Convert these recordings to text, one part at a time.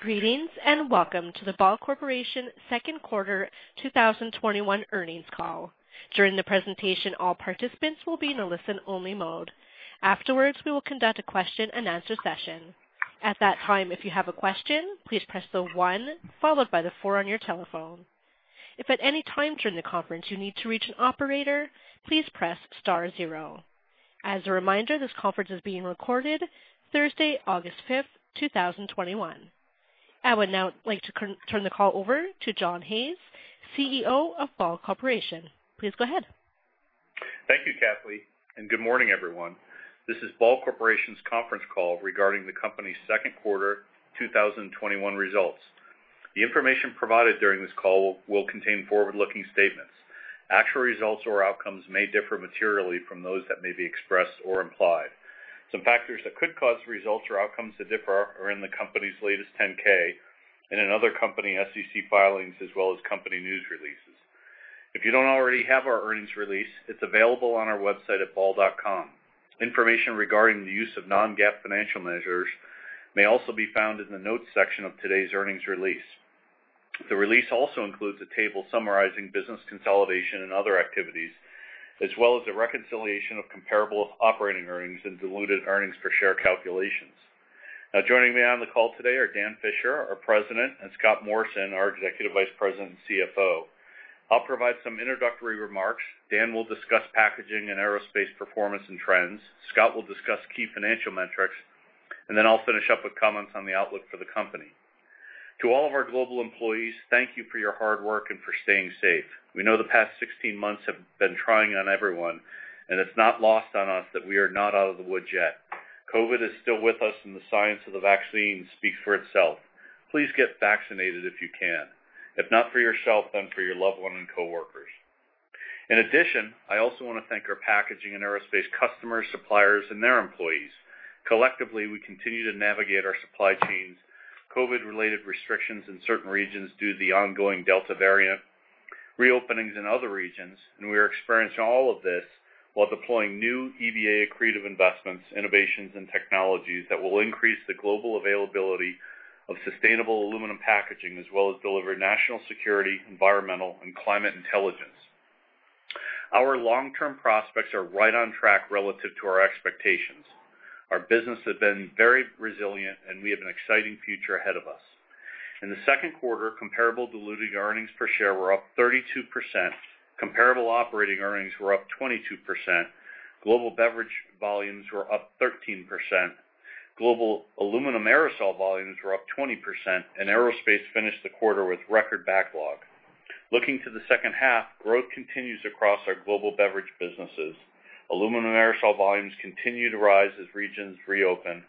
Greetings, and welcome to the Ball Corporation Second Quarter 2021 Earnings Call. During the presentation, all participants will be in a listen-only mode. Afterwards, we will conduct a question-and-answer session. At that time, if you have a question, please press the one followed by the four on your telephone. If at any time during the conference you need to reach an operator, please press star zero. As a reminder, this conference is being recorded Thursday, August 5th, 2021. I would now like to turn the call over to John Hayes, CEO of Ball Corporation. Please go ahead. Thank you, Kathy, and good morning, everyone. This is Ball Corporation's conference call regarding the company's second quarter 2021 results. The information provided during this call will contain forward-looking statements. Actual results or outcomes may differ materially from those that may be expressed or implied. Some factors that could cause results or outcomes to differ are in the company's latest 10-K and in other company SEC filings, as well as company news releases. If you don't already have our earnings release, it's available on our website at ball.com. Information regarding the use of non-GAAP financial measures may also be found in the notes section of today's earnings release. The release also includes a table summarizing business consolidation and other activities, as well as a reconciliation of comparable operating earnings and diluted earnings per share calculations. Joining me on the call today are Dan Fisher, our President, and Scott Morrison, our Executive Vice President and CFO. I'll provide some introductory remarks. Dan will discuss packaging and aerospace performance and trends. Scott will discuss key financial metrics. I'll finish up with comments on the outlook for the company. To all of our global employees, thank you for your hard work and for staying safe. We know the past 16 months have been trying on everyone. It's not lost on us that we are not out of the woods yet. COVID is still with us. The science of the vaccine speaks for itself. Please get vaccinated if you can. If not for yourself, for your loved one and coworkers. In addition, I also want to thank our packaging and aerospace customers, suppliers, and their employees. Collectively, we continue to navigate our supply chains, COVID-related restrictions in certain regions due to the ongoing Delta variant, reopenings in other regions, and we are experiencing all of this while deploying new EVA creative investments, innovations, and technologies that will increase the global availability of sustainable aluminum packaging, as well as deliver national security, environmental, and climate intelligence. Our long-term prospects are right on track relative to our expectations. Our business has been very resilient, and we have an exciting future ahead of us. In the second quarter, comparable diluted earnings per share were up 32%, comparable operating earnings were up 22%, global beverage volumes were up 13%, global aluminum aerosol volumes were up 20%, and Aerospace finished the quarter with record backlog. Looking to the second half, growth continues across our global beverage businesses. Aluminum aerosol volumes continue to rise as regions reopen.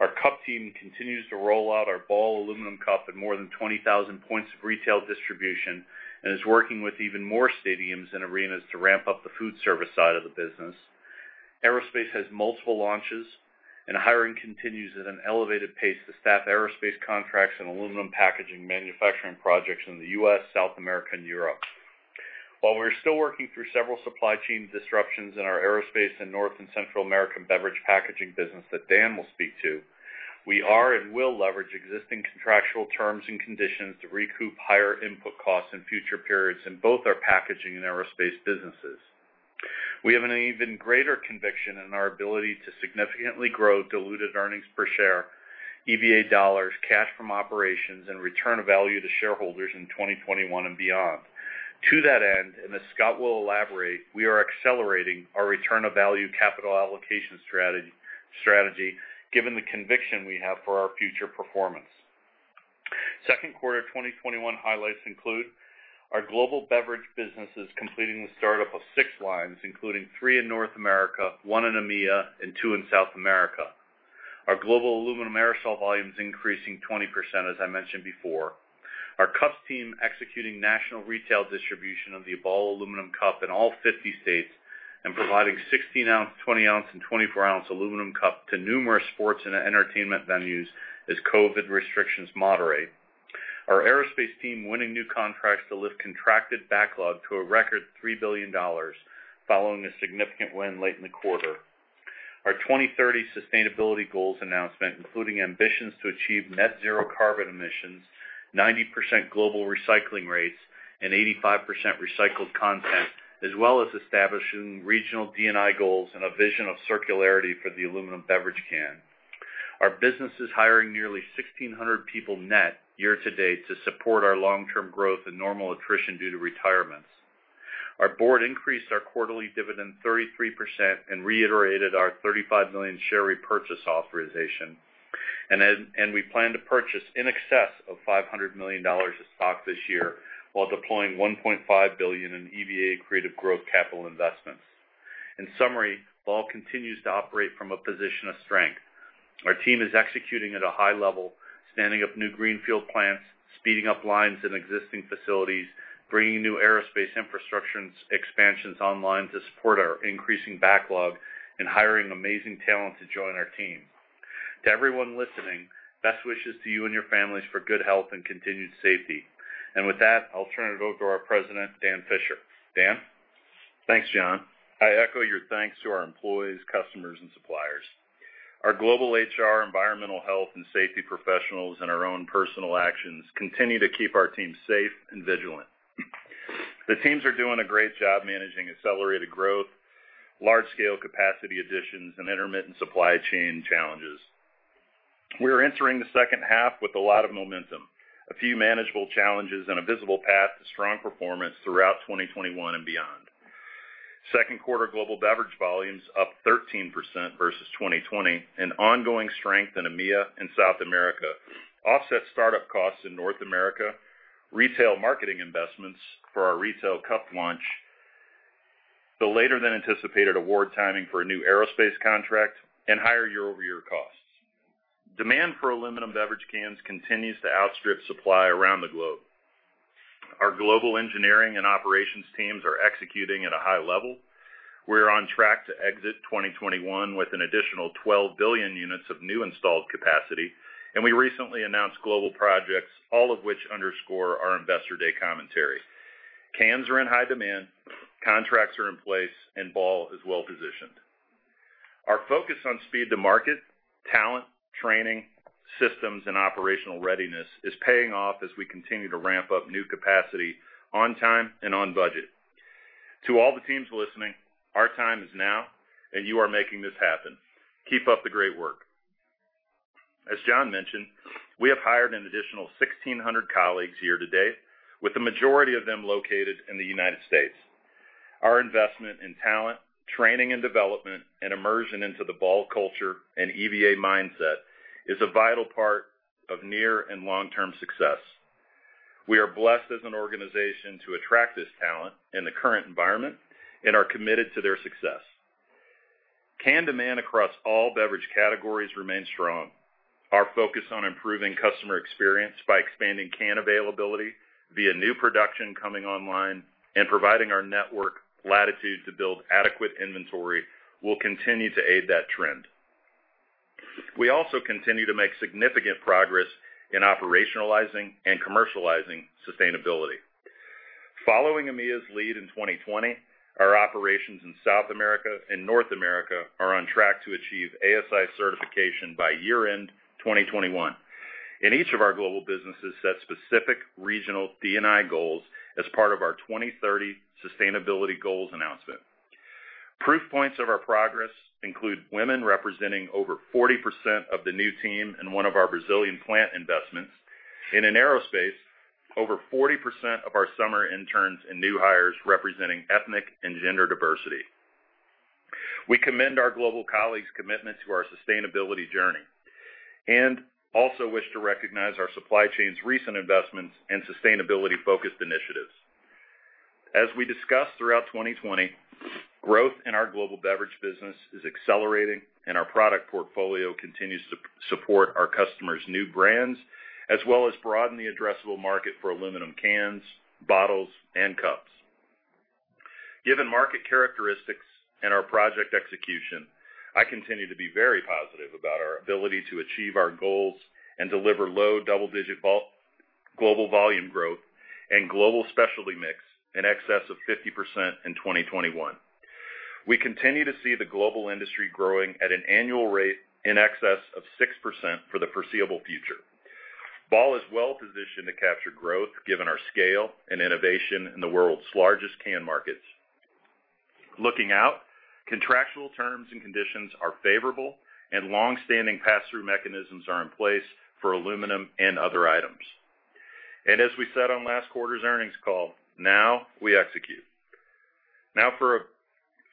Our cup team continues to roll out our Ball Aluminum Cup in more than 20,000 points of retail distribution, and is working with even more stadiums and arenas to ramp up the food service side of the business. Aerospace has multiple launches, and hiring continues at an elevated pace to staff aerospace contracts and aluminum packaging manufacturing projects in the U.S., South America, and Europe. While we're still working through several supply chain disruptions in our aerospace and North and Central American beverage packaging business that Dan will speak to, we are and will leverage existing contractual terms and conditions to recoup higher input costs in future periods in both our packaging and aerospace businesses. We have an even greater conviction in our ability to significantly grow diluted earnings per share, EVA dollars, cash from operations, and return of value to shareholders in 2021 and beyond. To that end, as Scott will elaborate, we are accelerating our return of value capital allocation strategy given the conviction we have for our future performance. Second quarter 2021 highlights include our global beverage businesses completing the startup of six lines, including three in North America, one in EMEA, and two in South America. Our global aluminum aerosol volumes increasing 20%, as I mentioned before. Our cups team executing national retail distribution of the Ball Aluminum Cup in all 50 states and providing 16 oz, 20 oz, and 24 oz aluminum cup to numerous sports and entertainment venues as COVID restrictions moderate. Our aerospace team winning new contracts to lift contracted backlog to a record $3 billion following a significant win late in the quarter. Our 2030 sustainability goals announcement, including ambitions to achieve net zero carbon emissions, 90% global recycling rates, and 85% recycled content, as well as establishing regional D&I goals and a vision of circularity for the aluminum beverage can. Our business is hiring nearly 1,600 people net year to date to support our long-term growth and normal attrition due to retirements. Our board increased our quarterly dividend 33% and reiterated our $35 million share repurchase authorization. We plan to purchase in excess of $500 million of stock this year while deploying $1.5 billion in EVA creative growth capital investments. In summary, Ball continues to operate from a position of strength. Our team is executing at a high level, standing up new greenfield plants, speeding up lines in existing facilities, bringing new aerospace infrastructure expansions online to support our increasing backlog, and hiring amazing talent to join our team. To everyone listening, best wishes to you and your families for good health and continued safety. With that, I'll turn it over to our President, Dan Fisher. Dan? Thanks, John. I echo your thanks to our employees, customers, and suppliers. Our global HR, environmental health, and safety professionals and our own personal actions continue to keep our team safe and vigilant. The teams are doing a great job managing accelerated growth, large-scale capacity additions, and intermittent supply chain challenges. We are entering the second half with a lot of momentum, a few manageable challenges, and a visible path to strong performance throughout 2021 and beyond. Second quarter global beverage volumes up 13% versus 2020. An ongoing strength in EMEA and South America offset startup costs in North America, retail marketing investments for our retail cup launch, the later-than-anticipated award timing for a new aerospace contract, and higher year-over-year costs. Demand for aluminum beverage cans continues to outstrip supply around the globe. Our global engineering and operations teams are executing at a high level. We're on track to exit 2021 with an additional 12 billion units of new installed capacity, and we recently announced global projects, all of which underscore our Investor Day commentary. Cans are in high demand, contracts are in place, and Ball is well-positioned. Our focus on speed to market, talent, training, systems, and operational readiness is paying off as we continue to ramp up new capacity on time and on budget. To all the teams listening, our time is now, and you are making this happen. Keep up the great work. As John mentioned, we have hired an additional 1,600 colleagues year to date, with the majority of them located in the United States. Our investment in talent, training and development, and immersion into the Ball culture and EVA mindset is a vital part of near and long-term success. We are blessed as an organization to attract this talent in the current environment and are committed to their success. Can demand across all beverage categories remains strong. Our focus on improving customer experience by expanding can availability via new production coming online and providing our network latitude to build adequate inventory will continue to aid that trend. We also continue to make significant progress in operationalizing and commercializing sustainability. Following EMEA's lead in 2020, our operations in South America and North America are on track to achieve ASI certification by year-end 2021. In each of our global businesses set specific regional D&I goals as part of our 2030 sustainability goals announcement. Proof points of our progress include women representing over 40% of the new team in one of our Brazilian plant investments. In aerospace, over 40% of our summer interns and new hires representing ethnic and gender diversity. We commend our global colleagues' commitment to our sustainability journey and also wish to recognize our supply chain's recent investments and sustainability-focused initiatives. As we discussed throughout 2020, growth in our global beverage business is accelerating, and our product portfolio continues to support our customers' new brands, as well as broaden the addressable market for aluminum cans, bottles, and cups. Given market characteristics and our project execution, I continue to be very positive about our ability to achieve our goals and deliver low double-digit global volume growth and global specialty mix in excess of 50% in 2021. We continue to see the global industry growing at an annual rate in excess of 6% for the foreseeable future. Ball is well-positioned to capture growth given our scale and innovation in the world's largest can markets. Looking out, contractual terms and conditions are favorable, and long-standing pass-through mechanisms are in place for aluminum and other items. As we said on last quarter's earnings call, now we execute. For a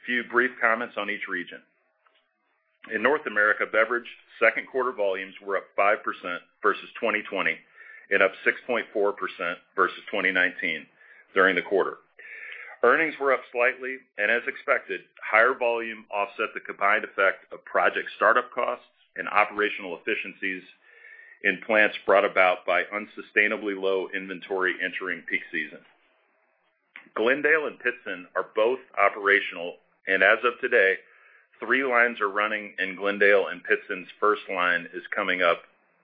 few brief comments on each region. In North America beverage, second quarter volumes were up 5% versus 2020 and up 6.4% versus 2019 during the quarter. Earnings were up slightly and as expected, higher volume offset the combined effect of project startup costs and operational efficiencies in plants brought about by unsustainably low inventory entering peak season. Glendale and Pittston are both operational, and as of today, three lines are running in Glendale and Pittston's first line is coming up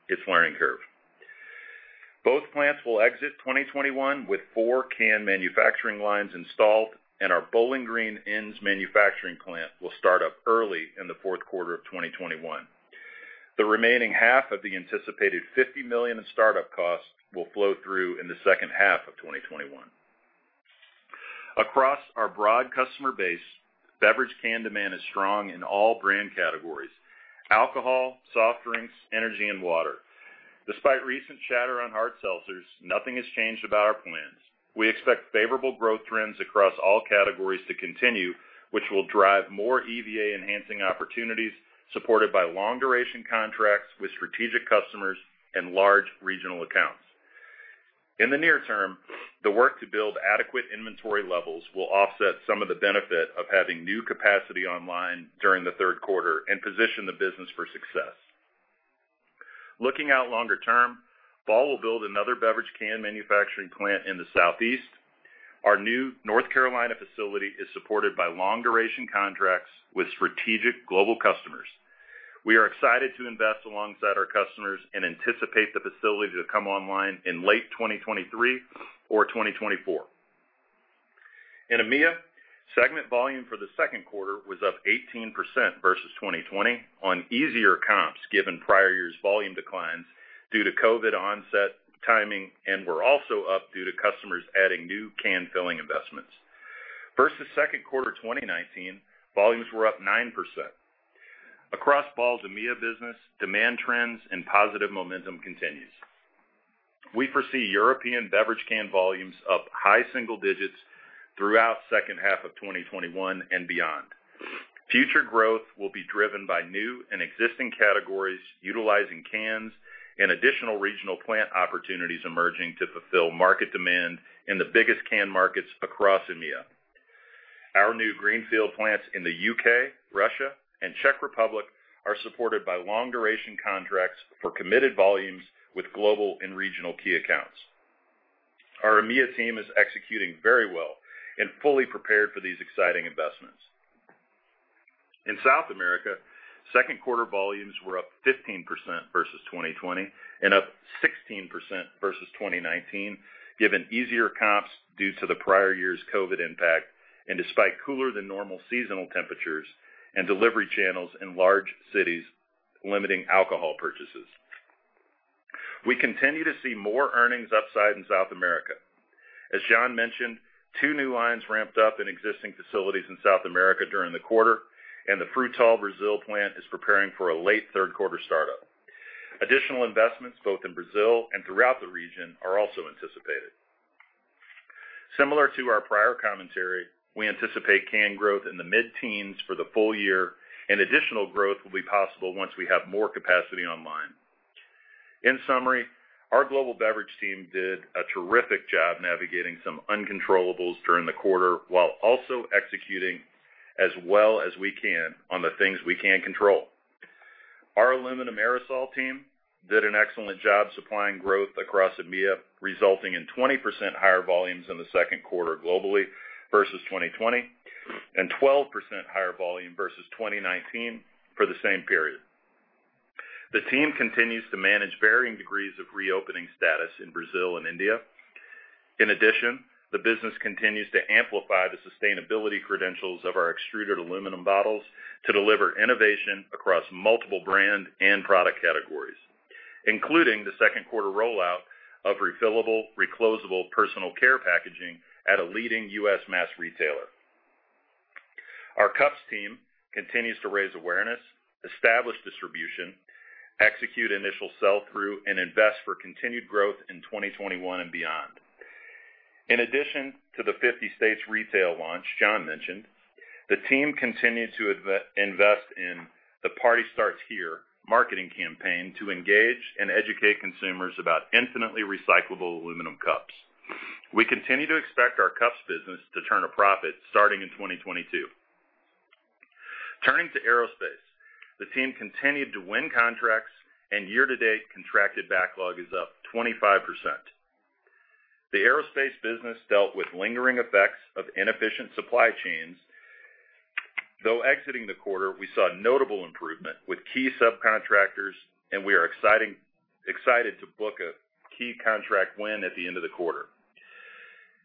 its learning curve. Both plants will exit 2021 with four can manufacturing lines installed and our Bowling Green ends manufacturing plant will start up early in the fourth quarter of 2021. The remaining half of the anticipated $50 million in startup costs will flow through in the second half of 2021. Across our broad customer base, beverage can demand is strong in all brand categories: alcohol, soft drinks, energy, and water. Despite recent chatter on hard seltzers, nothing has changed about our plans. We expect favorable growth trends across all categories to continue, which will drive more EVA-enhancing opportunities supported by long-duration contracts with strategic customers and large regional accounts. In the near term, the work to build adequate inventory levels will offset some of the benefit of having new capacity online during the third quarter and position the business for success. Looking out longer term, Ball will build another beverage can manufacturing plant in the Southeast. Our new North Carolina facility is supported by long-duration contracts with strategic global customers. We are excited to invest alongside our customers and anticipate the facility to come online in late 2023 or 2024. In EMEA, segment volume for the second quarter was up 18% versus 2020 on easier comps, given prior year's volume declines due to COVID onset timing, and were also up due to customers adding new can filling investments. Versus second quarter 2019, volumes were up 9%. Across Ball's EMEA business, demand trends and positive momentum continues. We foresee European beverage can volumes up high single digits throughout second half of 2021 and beyond. Future growth will be driven by new and existing categories utilizing cans and additional regional plant opportunities emerging to fulfill market demand in the biggest can markets across EMEA. Our new greenfield plants in the U.K., Russia, and Czech Republic are supported by long-duration contracts for committed volumes with global and regional key accounts. Our EMEA team is executing very well and fully prepared for these exciting investments. In South America, second quarter volumes were up 15% versus 2020 and up 16% versus 2019, given easier comps due to the prior year's COVID impact, and despite cooler than normal seasonal temperatures and delivery channels in large cities limiting alcohol purchases. We continue to see more earnings upside in South America. As John mentioned, two new lines ramped up in existing facilities in South America during the quarter, and the Frutal, Brazil plant is preparing for a late third quarter startup. Additional investments both in Brazil and throughout the region are also anticipated. Similar to our prior commentary, we anticipate can growth in the mid-teens for the full year and additional growth will be possible once we have more capacity online. In summary, our global beverage team did a terrific job navigating some uncontrollables during the quarter, while also executing as well as we can on the things we can control. Our aluminum aerosol team did an excellent job supplying growth across EMEA, resulting in 20% higher volumes in the second quarter globally versus 2020, and 12% higher volume versus 2019 for the same period. The team continues to manage varying degrees of reopening status in Brazil and India. In addition, the business continues to amplify the sustainability credentials of our extruded aluminum bottles to deliver innovation across multiple brand and product categories, including the second quarter rollout of refillable, reclosable personal care packaging at a leading U.S. mass retailer. Our cups team continues to raise awareness, establish distribution, execute initial sell-through, and invest for continued growth in 2021 and beyond. In addition to the 50 states retail launch John mentioned, the team continued to invest in The Party Starts Here marketing campaign to engage and educate consumers about infinitely recyclable aluminum cups. We continue to expect our cups business to turn a profit starting in 2022. Turning to aerospace. The team continued to win contracts, and year-to-date contracted backlog is up 25%. The aerospace business dealt with lingering effects of inefficient supply chains. Though exiting the quarter, we saw notable improvement with key subcontractors, and we are excited to book a key contract win at the end of the quarter.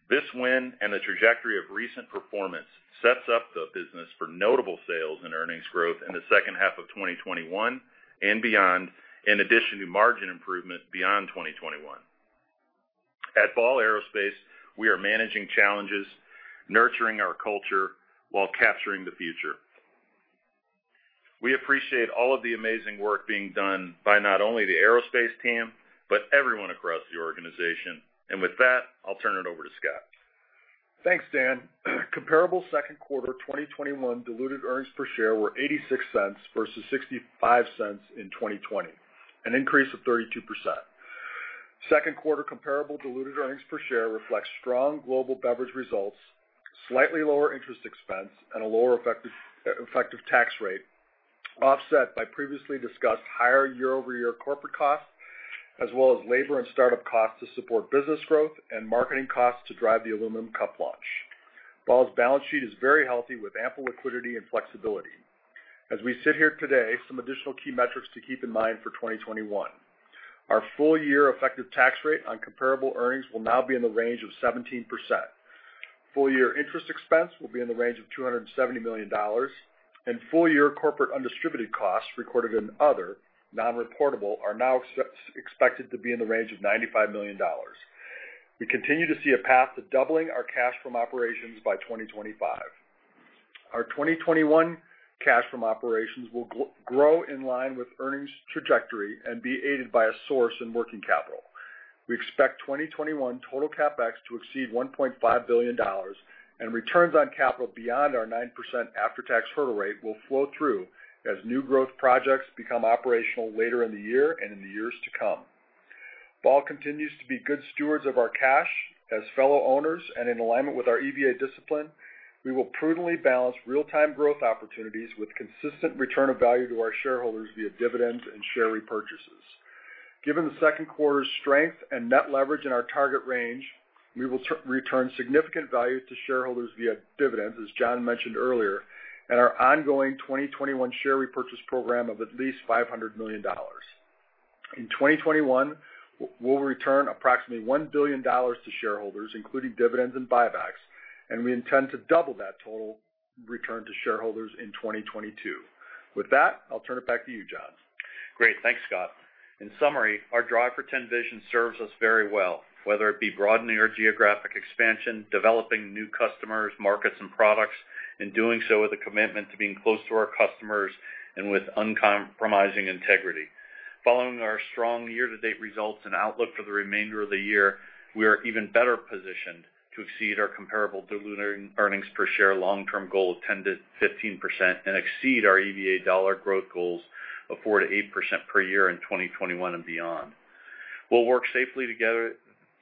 This win and the trajectory of recent performance sets up the business for notable sales and earnings growth in the second half of 2021 and beyond, in addition to margin improvement beyond 2021. At Ball Aerospace, we are managing challenges, nurturing our culture while capturing the future. We appreciate all of the amazing work being done by not only the aerospace team, but everyone across the organization. With that, I'll turn it over to Scott. Thanks, Dan. Comparable second quarter 2021 diluted earnings per share were $0.86 versus $0.65 in 2020, an increase of 32%. Second quarter comparable diluted earnings per share reflects strong global beverage results, slightly lower interest expense, and a lower effective tax rate, offset by previously discussed higher year-over-year corporate costs, as well as labor and startup costs to support business growth and marketing costs to drive the Aluminum Cup launch. Ball's balance sheet is very healthy, with ample liquidity and flexibility. As we sit here today, some additional key metrics to keep in mind for 2021. Our full year effective tax rate on comparable earnings will now be in the range of 17%. Full year interest expense will be in the range of $270 million. Full year corporate undistributed costs recorded in other, non-reportable, are now expected to be in the range of $95 million. We continue to see a path to doubling our cash from operations by 2025. Our 2021 cash from operations will grow in line with earnings trajectory and be aided by a source in working capital. We expect 2021 total CapEx to exceed $1.5 billion, and returns on capital beyond our 9% after-tax hurdle rate will flow through as new growth projects become operational later in the year and in the years to come. Ball continues to be good stewards of our cash. As fellow owners and in alignment with our EVA discipline, we will prudently balance real-time growth opportunities with consistent return of value to our shareholders via dividends and share repurchases. Given the second quarter's strength and net leverage in our target range, we will return significant value to shareholders via dividends, as John mentioned earlier, and our ongoing 2021 share repurchase program of at least $500 million. In 2021, we'll return approximately $1 billion to shareholders, including dividends and buybacks, and we intend to double that total return to shareholders in 2022. With that, I'll turn it back to you, John. Great. Thanks, Scott. In summary, our Drive for 10 vision serves us very well, whether it be broadening our geographic expansion, developing new customers, markets, and products, and doing so with a commitment to being close to our customers and with uncompromising integrity. Following our strong year-to-date results and outlook for the remainder of the year, we are even better positioned to exceed our comparable diluting earnings per share long-term goal of 10%-15% and exceed our EVA dollar growth goals of 4%-8% per year in 2021 and beyond. We'll work safely together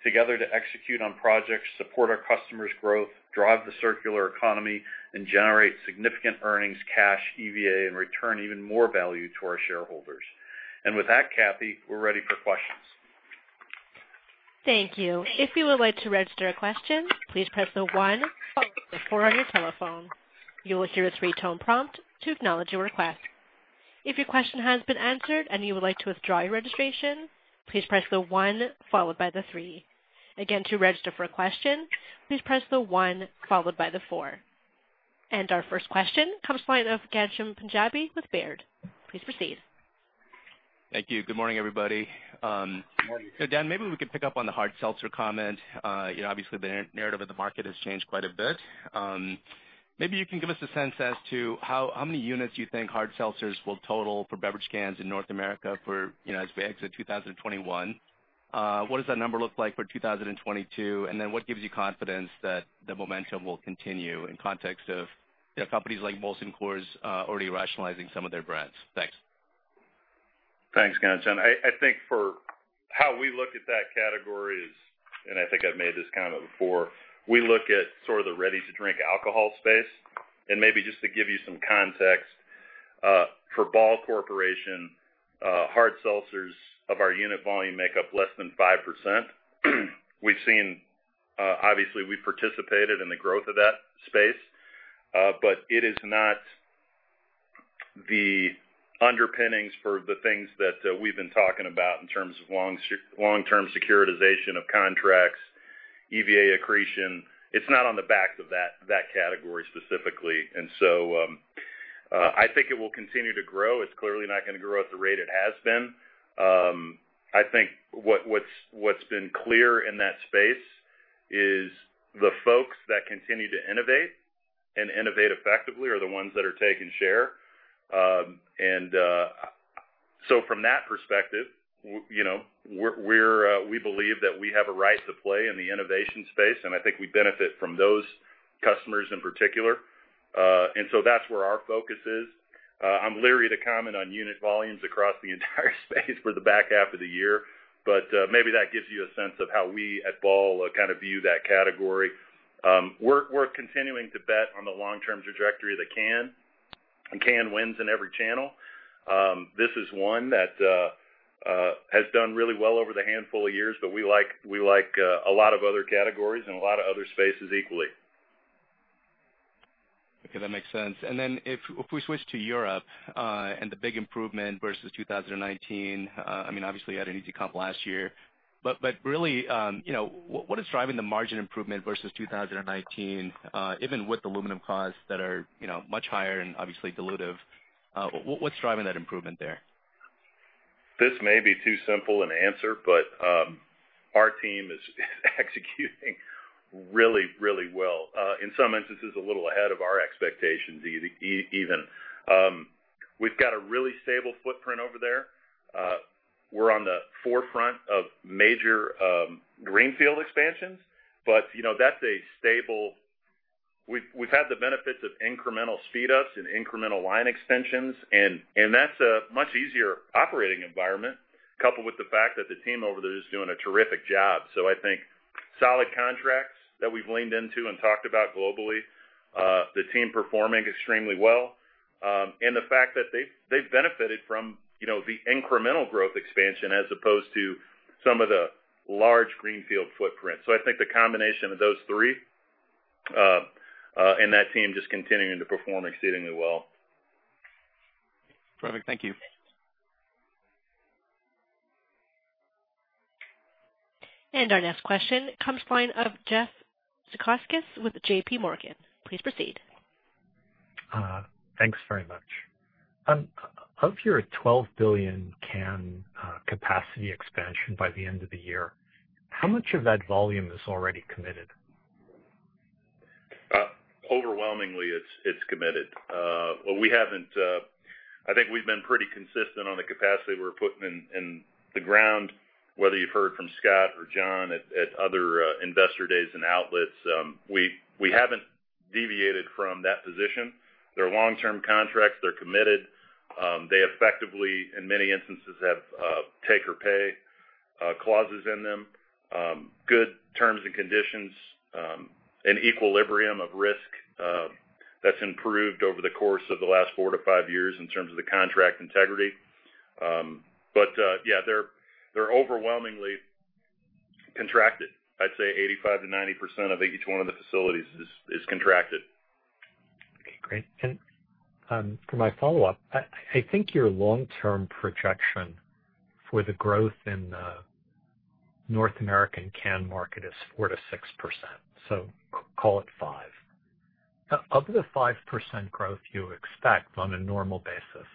to execute on projects, support our customers' growth, drive the circular economy, and generate significant earnings, cash, EVA, and return even more value to our shareholders. With that, Kathy, we're ready for questions. Thank you. If you would like to register a question, please press the one followed by the four on your telephone. You will hear a three-tone prompt to acknowledge your request. If your question has been answered and you would like to withdraw your registration, please press the one followed by the three. Again, to register for a question, please press the one followed by the four. Our first question comes from the line of Ghansham Panjabi with Baird. Please proceed. Thank you. Good morning, everybody. Morning. Dan, maybe we could pick up on the hard seltzer comment. Obviously, the narrative of the market has changed quite a bit. Maybe you can give us a sense as to how many units you think hard seltzers will total for beverage cans in North America as we exit 2021. What does that number look like for 2022? What gives you confidence that the momentum will continue in context of companies like Molson Coors already rationalizing some of their brands? Thanks. Thanks, Ghansham. I think for how we look at that category is, and I think I've made this comment before, we look at the ready-to-drink alcohol space. Maybe just to give you some context, for Ball Corporation, hard seltzers of our unit volume make up less than 5%. Obviously, we participated in the growth of that space. It is not the underpinnings for the things that we've been talking about in terms of long-term securitization of contracts, EVA accretion. It's not on the back of that category specifically. I think it will continue to grow. It's clearly not going to grow at the rate it has been. I think what's been clear in that space is the folks that continue to innovate and innovate effectively are the ones that are taking share. From that perspective, we believe that we have a right to play in the innovation space, and I think we benefit from those customers in particular. That's where our focus is. I'm leery to comment on unit volumes across the entire space for the back half of the year. Maybe that gives you a sense of how we at Ball view that category. We're continuing to bet on the long-term trajectory of the can, and can wins in every channel. This is one that has done really well over the handful of years, but we like a lot of other categories and a lot of other spaces equally. Okay, that makes sense. Then if we switch to Europe and the big improvement versus 2019, obviously you had an easy comp last year. Really, what is driving the margin improvement versus 2019, even with aluminum costs that are much higher and obviously dilutive? What's driving that improvement there? This may be too simple an answer, but our team is executing really, really well. In some instances, a little ahead of our expectations even. We've got a really stable footprint over there. We're on the forefront of major greenfield expansions, but that's a stable. We've had the benefits of incremental speed ups and incremental line extensions, and that's a much easier operating environment, coupled with the fact that the team over there is doing a terrific job. I think solid contracts that we've leaned into and talked about globally, the team performing extremely well, and the fact that they've benefited from the incremental growth expansion as opposed to some of the large greenfield footprint. I think the combination of those three, and that team just continuing to perform exceedingly well. Perfect. Thank you. Our next question comes the line of Jeff Zekauskas with JPMorgan. Please proceed. Thanks very much. Of your 12 billion can capacity expansion by the end of the year, how much of that volume is already committed? Overwhelmingly, it's committed. I think we've been pretty consistent on the capacity we're putting in the ground, whether you've heard from Scott or John at other investor days and outlets. We haven't deviated from that position. They're long-term contracts. They're committed. They effectively, in many instances, have take or pay clauses in them, good terms and conditions, an equilibrium of risk that's improved over the course of the last four to five years in terms of the contract integrity. Yeah, they're overwhelmingly contracted. I'd say 85%-90% of each one of the facilities is contracted. Okay, great. For my follow-up, I think your long-term projection for the growth in the North American can market is 4%-6%, so call it 5%. Of the 5% growth you expect on a normal basis,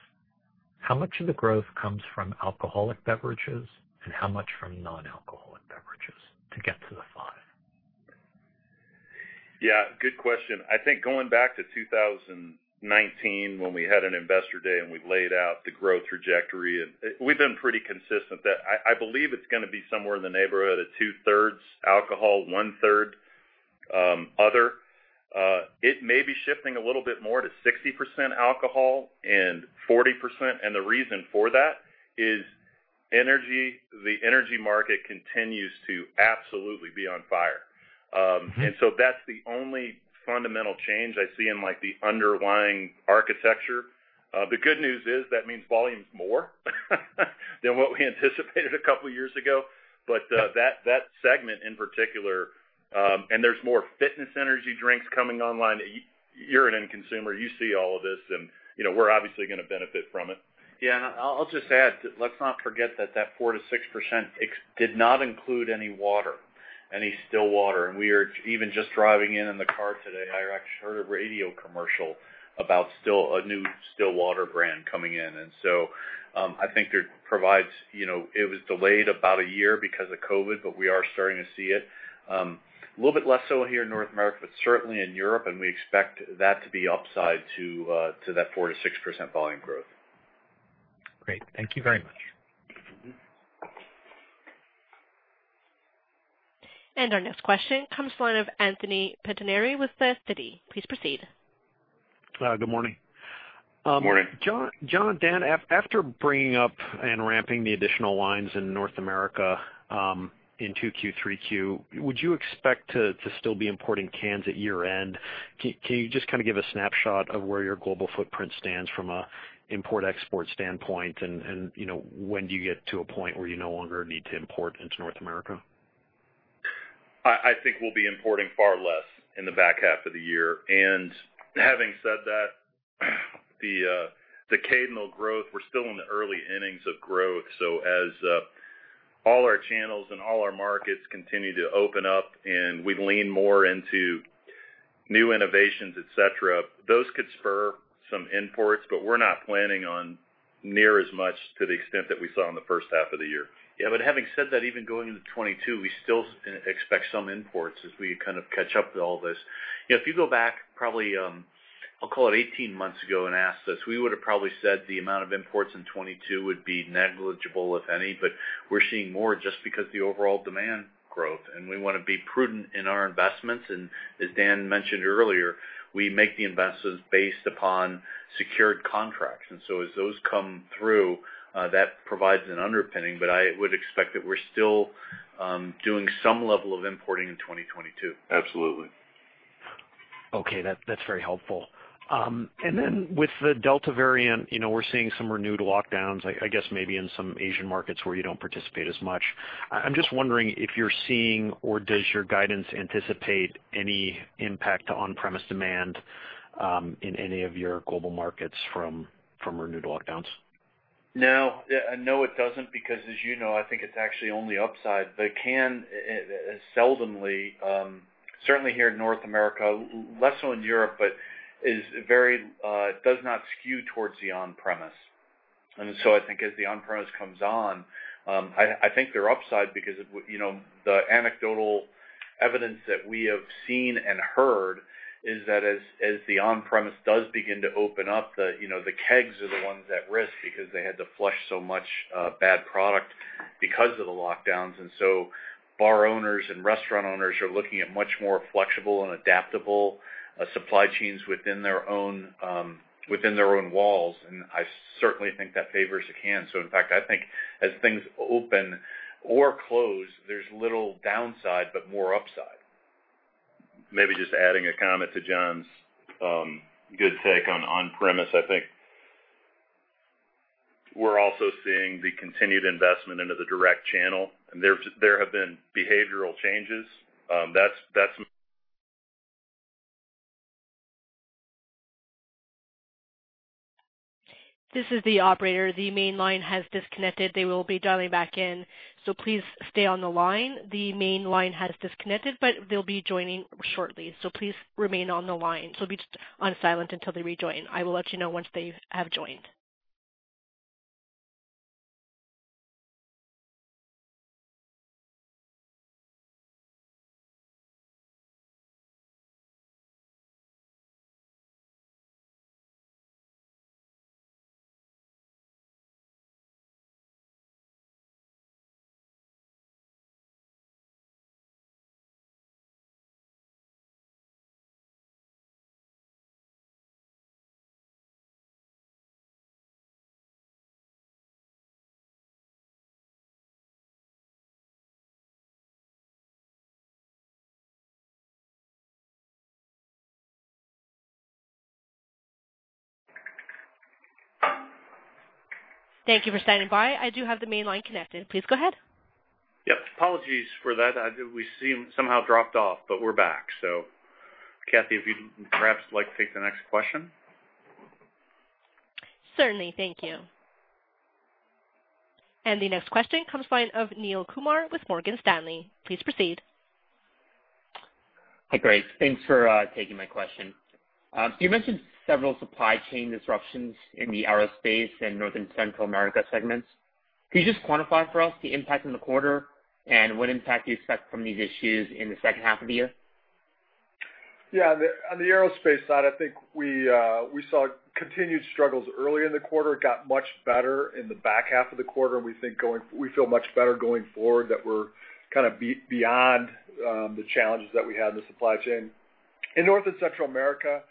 how much of the growth comes from alcoholic beverages and how much from non-alcoholic beverages to get to the 5%? Yeah, good question. I think going back to 2019, when we had an Investor Day and we laid out the growth trajectory, we've been pretty consistent that I believe it's going to be somewhere in the neighborhood of 2/3 alcohol, 1/3 other. It may be shifting a little bit more to 60% alcohol and 40%. The reason for that is the energy market continues to absolutely be on fire. That's the only fundamental change I see in the underlying architecture. The good news is that means volume's more than what we anticipated a couple years ago. That segment in particular, and there's more fitness energy drinks coming online. You're an end consumer, you see all of this, and we're obviously going to benefit from it. Yeah, I'll just add, let's not forget that that 4%-6% did not include any water, any still water. We were even just driving in in the car today, I actually heard a radio commercial about a new still water brand coming in. I think it was delayed about a year because of COVID, but we are starting to see it. A little bit less so here in North America, but certainly in Europe, and we expect that to be upside to that 4%-6% volume growth. Great. Thank you very much. Our next question comes from the line of Anthony Pettinari with Citi. Please proceed. Good morning. Morning. John, Dan, after bringing up and ramping the additional lines in North America in 2Q, 3Q, would you expect to still be importing cans at year-end? Can you just give a snapshot of where your global footprint stands from an import-export standpoint and when do you get to a point where you no longer need to import into North America? I think we'll be importing far less in the back half of the year. Having said that, the cadential growth, we're still in the early innings of growth. As all our channels and all our markets continue to open up and we lean more into new innovations, et cetera, those could spur some imports, but we're not planning on near as much to the extent that we saw in the first half of the year. Having said that, even going into 2022, we still expect some imports as we kind of catch up to all this. If you go back probably, I'll call it 18 months ago, and asked us, we would have probably said the amount of imports in 2022 would be negligible, if any, but we're seeing more just because the overall demand growth, and we want to be prudent in our investments. As Dan mentioned earlier, we make the investments based upon secured contracts. As those come through, that provides an underpinning. I would expect that we're still doing some level of importing in 2022. Absolutely. Okay. That's very helpful. With the Delta variant, we're seeing some renewed lockdowns, I guess maybe in some Asian markets where you don't participate as much. I'm just wondering if you're seeing, or does your guidance anticipate any impact to on-premise demand in any of your global markets from renewed lockdowns? It doesn't because as you know, I think it's actually only upside. The can is seldomly, certainly here in North America, less so in Europe, but does not skew towards the on-premise. I think as the on-premise comes on, I think they're upside because the anecdotal evidence that we have seen and heard is that as the on-premise does begin to open up, the kegs are the ones at risk because they had to flush so much bad product because of the lockdowns. Bar owners and restaurant owners are looking at much more flexible and adaptable supply chains within their own walls. I certainly think that favors a can. In fact, I think as things open or close, there's little downside, but more upside. Maybe just adding a comment to John's good take on on-premise. I think we're also seeing the continued investment into the direct channel. There have been behavioral changes. This is the operator. The main line has disconnected. They will be dialing back in, so please stay on the line. The main line has disconnected, but they'll be joining shortly, so please remain on the line. Be on silent until they rejoin. I will let you know once they have joined. Thank you for standing by. I do have the main line connected. Please go ahead. Yep. Apologies for that. We somehow dropped off, but we're back. Kathy, if you'd perhaps like to take the next question. Certainly. Thank you. The next question comes by way of Neel Kumar with Morgan Stanley. Please proceed. Hi, great. Thanks for taking my question. You mentioned several supply chain disruptions in the Aerospace and North and Central America segments. Could you just quantify for us the impact in the quarter? What impact do you expect from these issues in the second half of the year? On the Aerospace side, I think we saw continued struggles early in the quarter. It got much better in the back half of the quarter. We feel much better going forward that we're kind of beyond the challenges that we had in the supply chain. In North and Central America,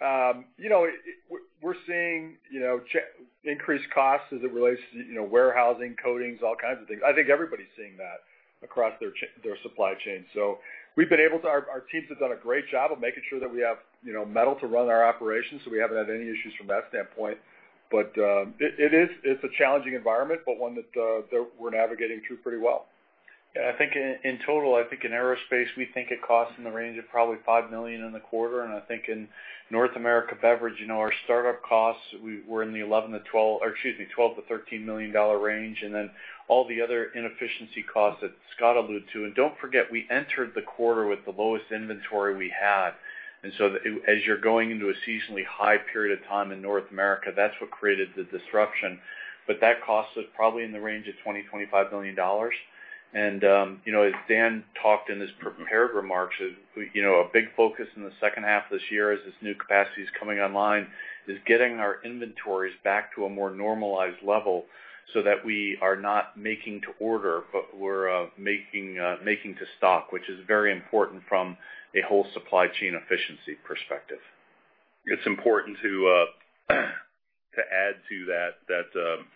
we're seeing increased costs as it relates to warehousing, coatings, all kinds of things. I think everybody's seeing that across their supply chain. Our teams have done a great job of making sure that we have metal to run our operations. We haven't had any issues from that standpoint. It's a challenging environment, but one that we're navigating through pretty well. Yeah, I think in total, I think in Aerospace, we think it costs in the range of probably $5 million in the quarter. I think in North America Beverage, our startup costs were in the $12 million-$13 million range. All the other inefficiency costs that Scott alluded to. Don't forget, we entered the quarter with the lowest inventory we had. As you're going into a seasonally high period of time in North America, that's what created the disruption. That cost us probably in the range of $20 million-$25 million. As Dan talked in his prepared remarks, a big focus in the second half of this year as this new capacity is coming online, is getting our inventories back to a more normalized level so that we are not making to order, but we're making to stock, which is very important from a whole supply chain efficiency perspective. It's important to add to that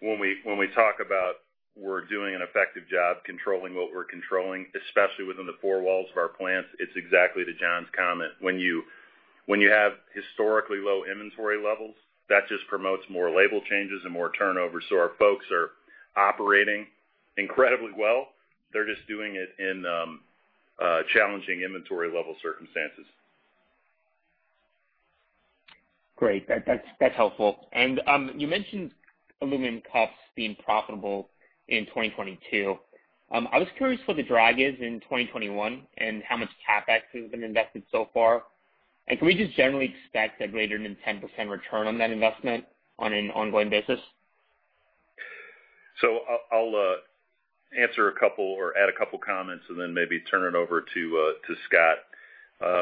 when we talk about we're doing an effective job controlling what we're controlling, especially within the four walls of our plants, it's exactly to John's comment. When you have historically low inventory levels, that just promotes more label changes and more turnover. Our folks are operating incredibly well. They're just doing it in challenging inventory level circumstances. Great. That's helpful. You mentioned aluminum cups being profitable in 2022. I was curious what the drag is in 2021, and how much CapEx has been invested so far. Can we just generally expect a greater than 10% return on that investment on an ongoing basis? I'll answer a couple or add a couple of comments and then maybe turn it over to Scott.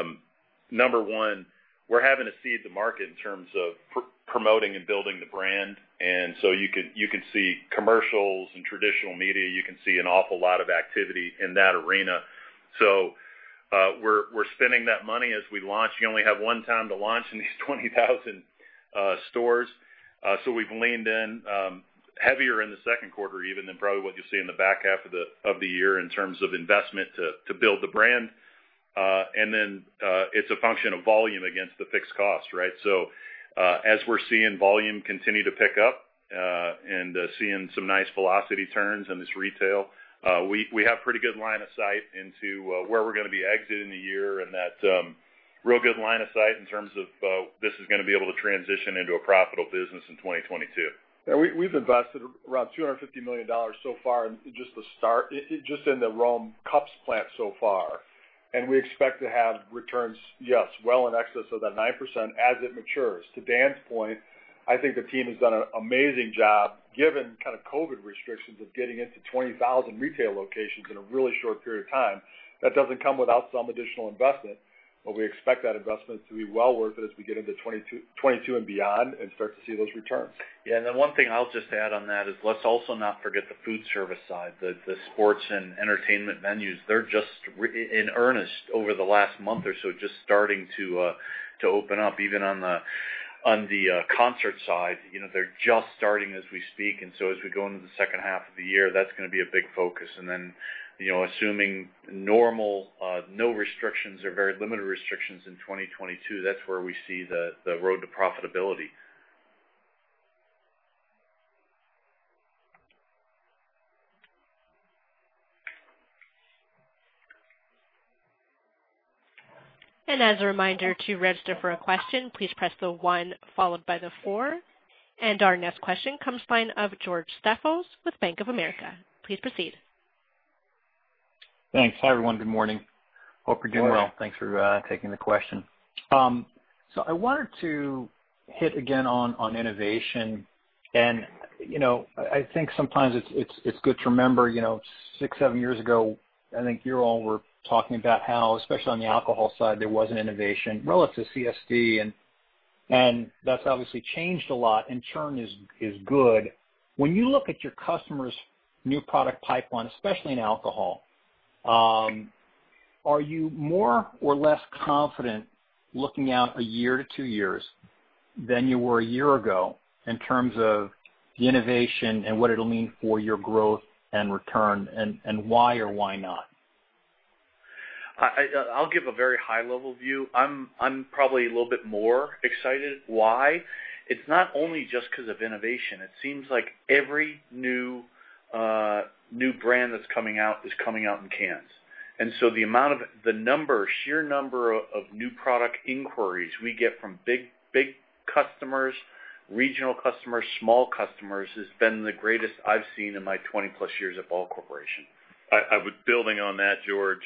Number one, we're having to seed the market in terms of promoting and building the brand. You can see commercials in traditional media. You can see an awful lot of activity in that arena. We're spending that money as we launch. You only have one time to launch in these 20,000 stores. We've leaned in heavier in the second quarter even than probably what you'll see in the back half of the year in terms of investment to build the brand. Then it's a function of volume against the fixed cost, right? As we're seeing volume continue to pick up and seeing some nice velocity turns in this retail, we have pretty good line of sight into where we're going to be exiting the year and that real good line of sight in terms of this is going to be able to transition into a profitable business in 2022. Yeah, we've invested around $250 million so far in just the Rome cups plant so far. We expect to have returns, yes, well in excess of that 9% as it matures. To Dan's point, I think the team has done an amazing job, given kind of COVID restrictions, of getting into 20,000 retail locations in a really short period of time. That doesn't come without some additional investment, but we expect that investment to be well worth it as we get into 2022 and beyond and start to see those returns. One thing I'll just add on that is let's also not forget the food service side, the sports and entertainment venues. They're just in earnest over the last month or so, just starting to open up even on the concert side. They're just starting as we speak. As we go into the second half of the year, that's going to be a big focus. Assuming normal, no restrictions or very limited restrictions in 2022, that's where we see the road to profitability. As a reminder to register for a question, please press the one followed by the four. Our next question comes by of George Staphos with Bank of America. Please proceed. Thanks. Hi, everyone. Good morning. Hope you're doing well. Thanks for taking the question. I wanted to hit again on innovation. I think sometimes it's good to remember six, seven years ago, I think you all were talking about how, especially on the alcohol side, there was an innovation relative to CSD, and that's obviously changed a lot and churn is good. When you look at your customers' new product pipeline, especially in alcohol. Are you more or less confident looking out a year to two years than you were a year ago in terms of the innovation and what it'll mean for your growth and return, and why or why not? I'll give a very high-level view. I'm probably a little bit more excited. Why? It's not only just because of innovation. It seems like every new brand that's coming out is coming out in cans. The sheer number of new product inquiries we get from big customers, regional customers, small customers, has been the greatest I've seen in my 20+ years at Ball Corporation. Building on that, George,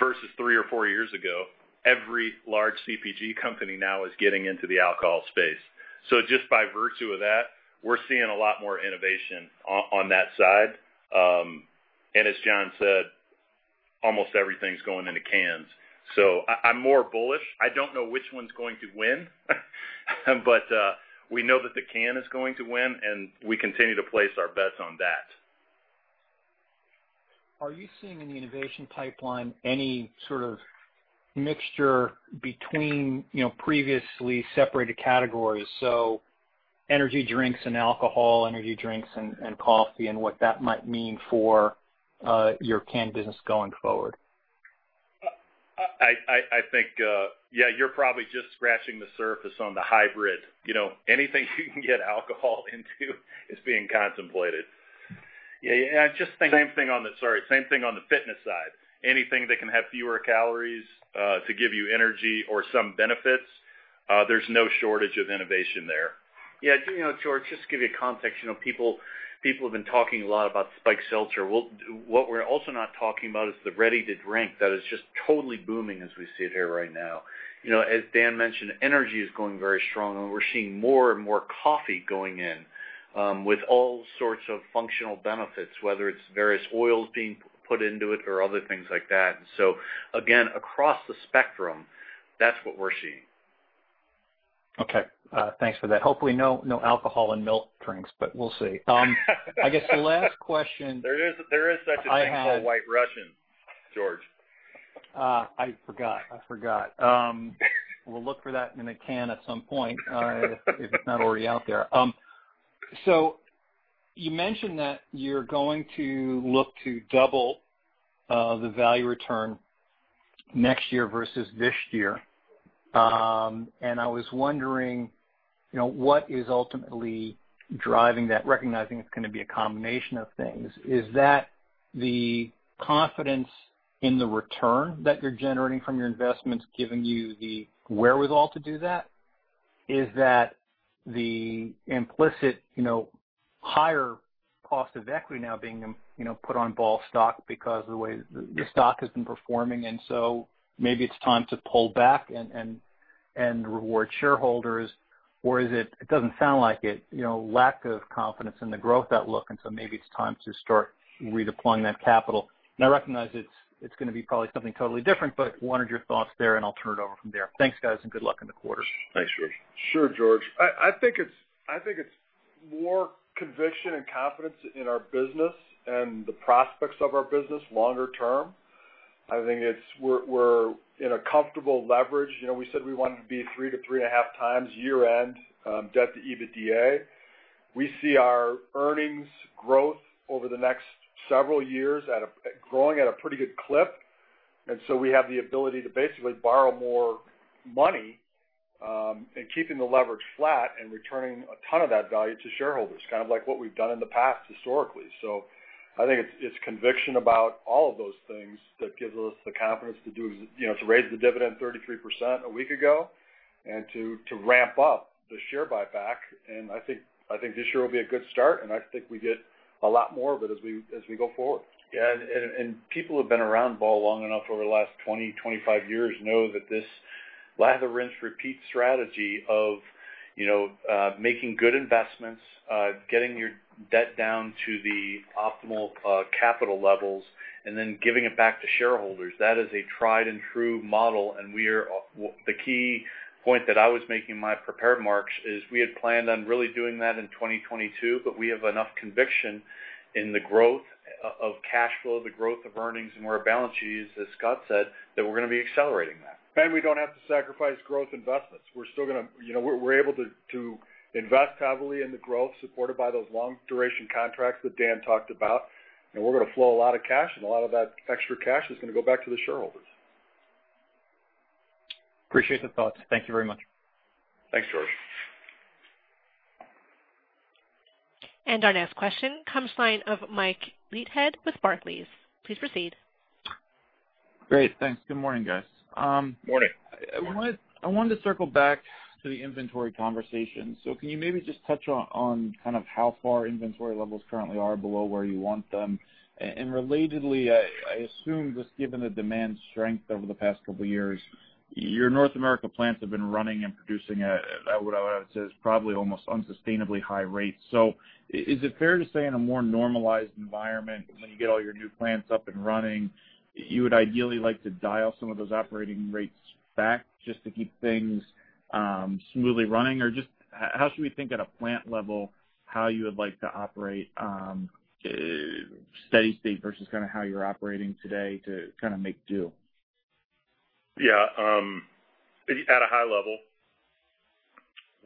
versus three or four years ago, every large CPG company now is getting into the alcohol space. Just by virtue of that, we're seeing a lot more innovation on that side. As John said, almost everything's going into cans. I'm more bullish. I don't know which one's going to win, but we know that the can is going to win, and we continue to place our bets on that. Are you seeing in the innovation pipeline any sort of mixture between previously separated categories, so energy drinks and alcohol, energy drinks and coffee, and what that might mean for your can business going forward? I think, yeah, you're probably just scratching the surface on the hybrid. Anything you can get alcohol into is being contemplated. Yeah. Same thing on the fitness side. Anything that can have fewer calories, to give you energy or some benefits, there's no shortage of innovation there. Yeah. George, just to give you context, people have been talking a lot about spiked seltzer. What we're also not talking about is the ready-to-drink that is just totally booming as we sit here right now. As Dan mentioned, energy is going very strong, and we're seeing more and more coffee going in, with all sorts of functional benefits, whether it's various oils being put into it or other things like that. Again, across the spectrum, that's what we're seeing. Okay. Thanks for that. Hopefully, no alcohol in milk drinks, but we'll see. I guess the last question I have. There is such a thing called White Russian, George. I forgot. We'll look for that in a can at some point, if it's not already out there. You mentioned that you're going to look to double the value return next year versus this year. I was wondering what is ultimately driving that, recognizing it's going to be a combination of things. Is that the confidence in the return that you're generating from your investments giving you the wherewithal to do that? Is that the implicit higher cost of equity now being put on Ball stock because of the way the stock has been performing, and so maybe it's time to pull back and reward shareholders? Is it doesn't sound like it, lack of confidence in the growth outlook, and so maybe it's time to start redeploying that capital? I recognize it's going to be probably something totally different, but wanted your thoughts there, and I'll turn it over from there. Thanks, guys, and good luck in the quarter. Thanks, George. Sure, George. I think it's more conviction and confidence in our business and the prospects of our business longer term. I think we're in a comfortable leverage. We said we wanted to be 3-3.5x year-end, debt to EBITDA. We see our earnings growth over the next several years growing at a pretty good clip. We have the ability to basically borrow more money, and keeping the leverage flat and returning a ton of that value to shareholders, kind of like what we've done in the past historically. I think it's conviction about all of those things that gives us the confidence to raise the dividend 33% a week ago and to ramp up the share buyback. I think this year will be a good start, and I think we get a lot more of it as we go forward. Yeah. People who have been around Ball long enough over the last 20, 25 years know that this lather, rinse, repeat strategy of making good investments, getting your debt down to the optimal capital levels, and then giving it back to shareholders, that is a tried and true model. The key point that I was making in my prepared remarks is we had planned on really doing that in 2022, but we have enough conviction in the growth of cash flow, the growth of earnings and our balance sheets, as Scott said, that we're going to be accelerating that. We don't have to sacrifice growth investments. We're able to invest heavily in the growth supported by those long-duration contracts that Dan talked about, and we're going to flow a lot of cash, and a lot of that extra cash is going to go back to the shareholders. Appreciate the thoughts. Thank you very much. Thanks, George. Our next question comes from line of Mike Leithead with Barclays. Please proceed. Great. Thanks. Good morning, guys. Morning. Morning. I wanted to circle back to the inventory conversation. Can you maybe just touch on kind of how far inventory levels currently are below where you want them? Relatedly, I assume just given the demand strength over the past couple of years, your North America plants have been running and producing at, what I would say, is probably almost unsustainably high rates. Is it fair to say in a more normalized environment, when you get all your new plants up and running, you would ideally like to dial some of those operating rates back just to keep things smoothly running? Just how should we think at a plant level how you would like to operate, steady state versus kind of how you're operating today to kind of make do? Yeah. At a high level,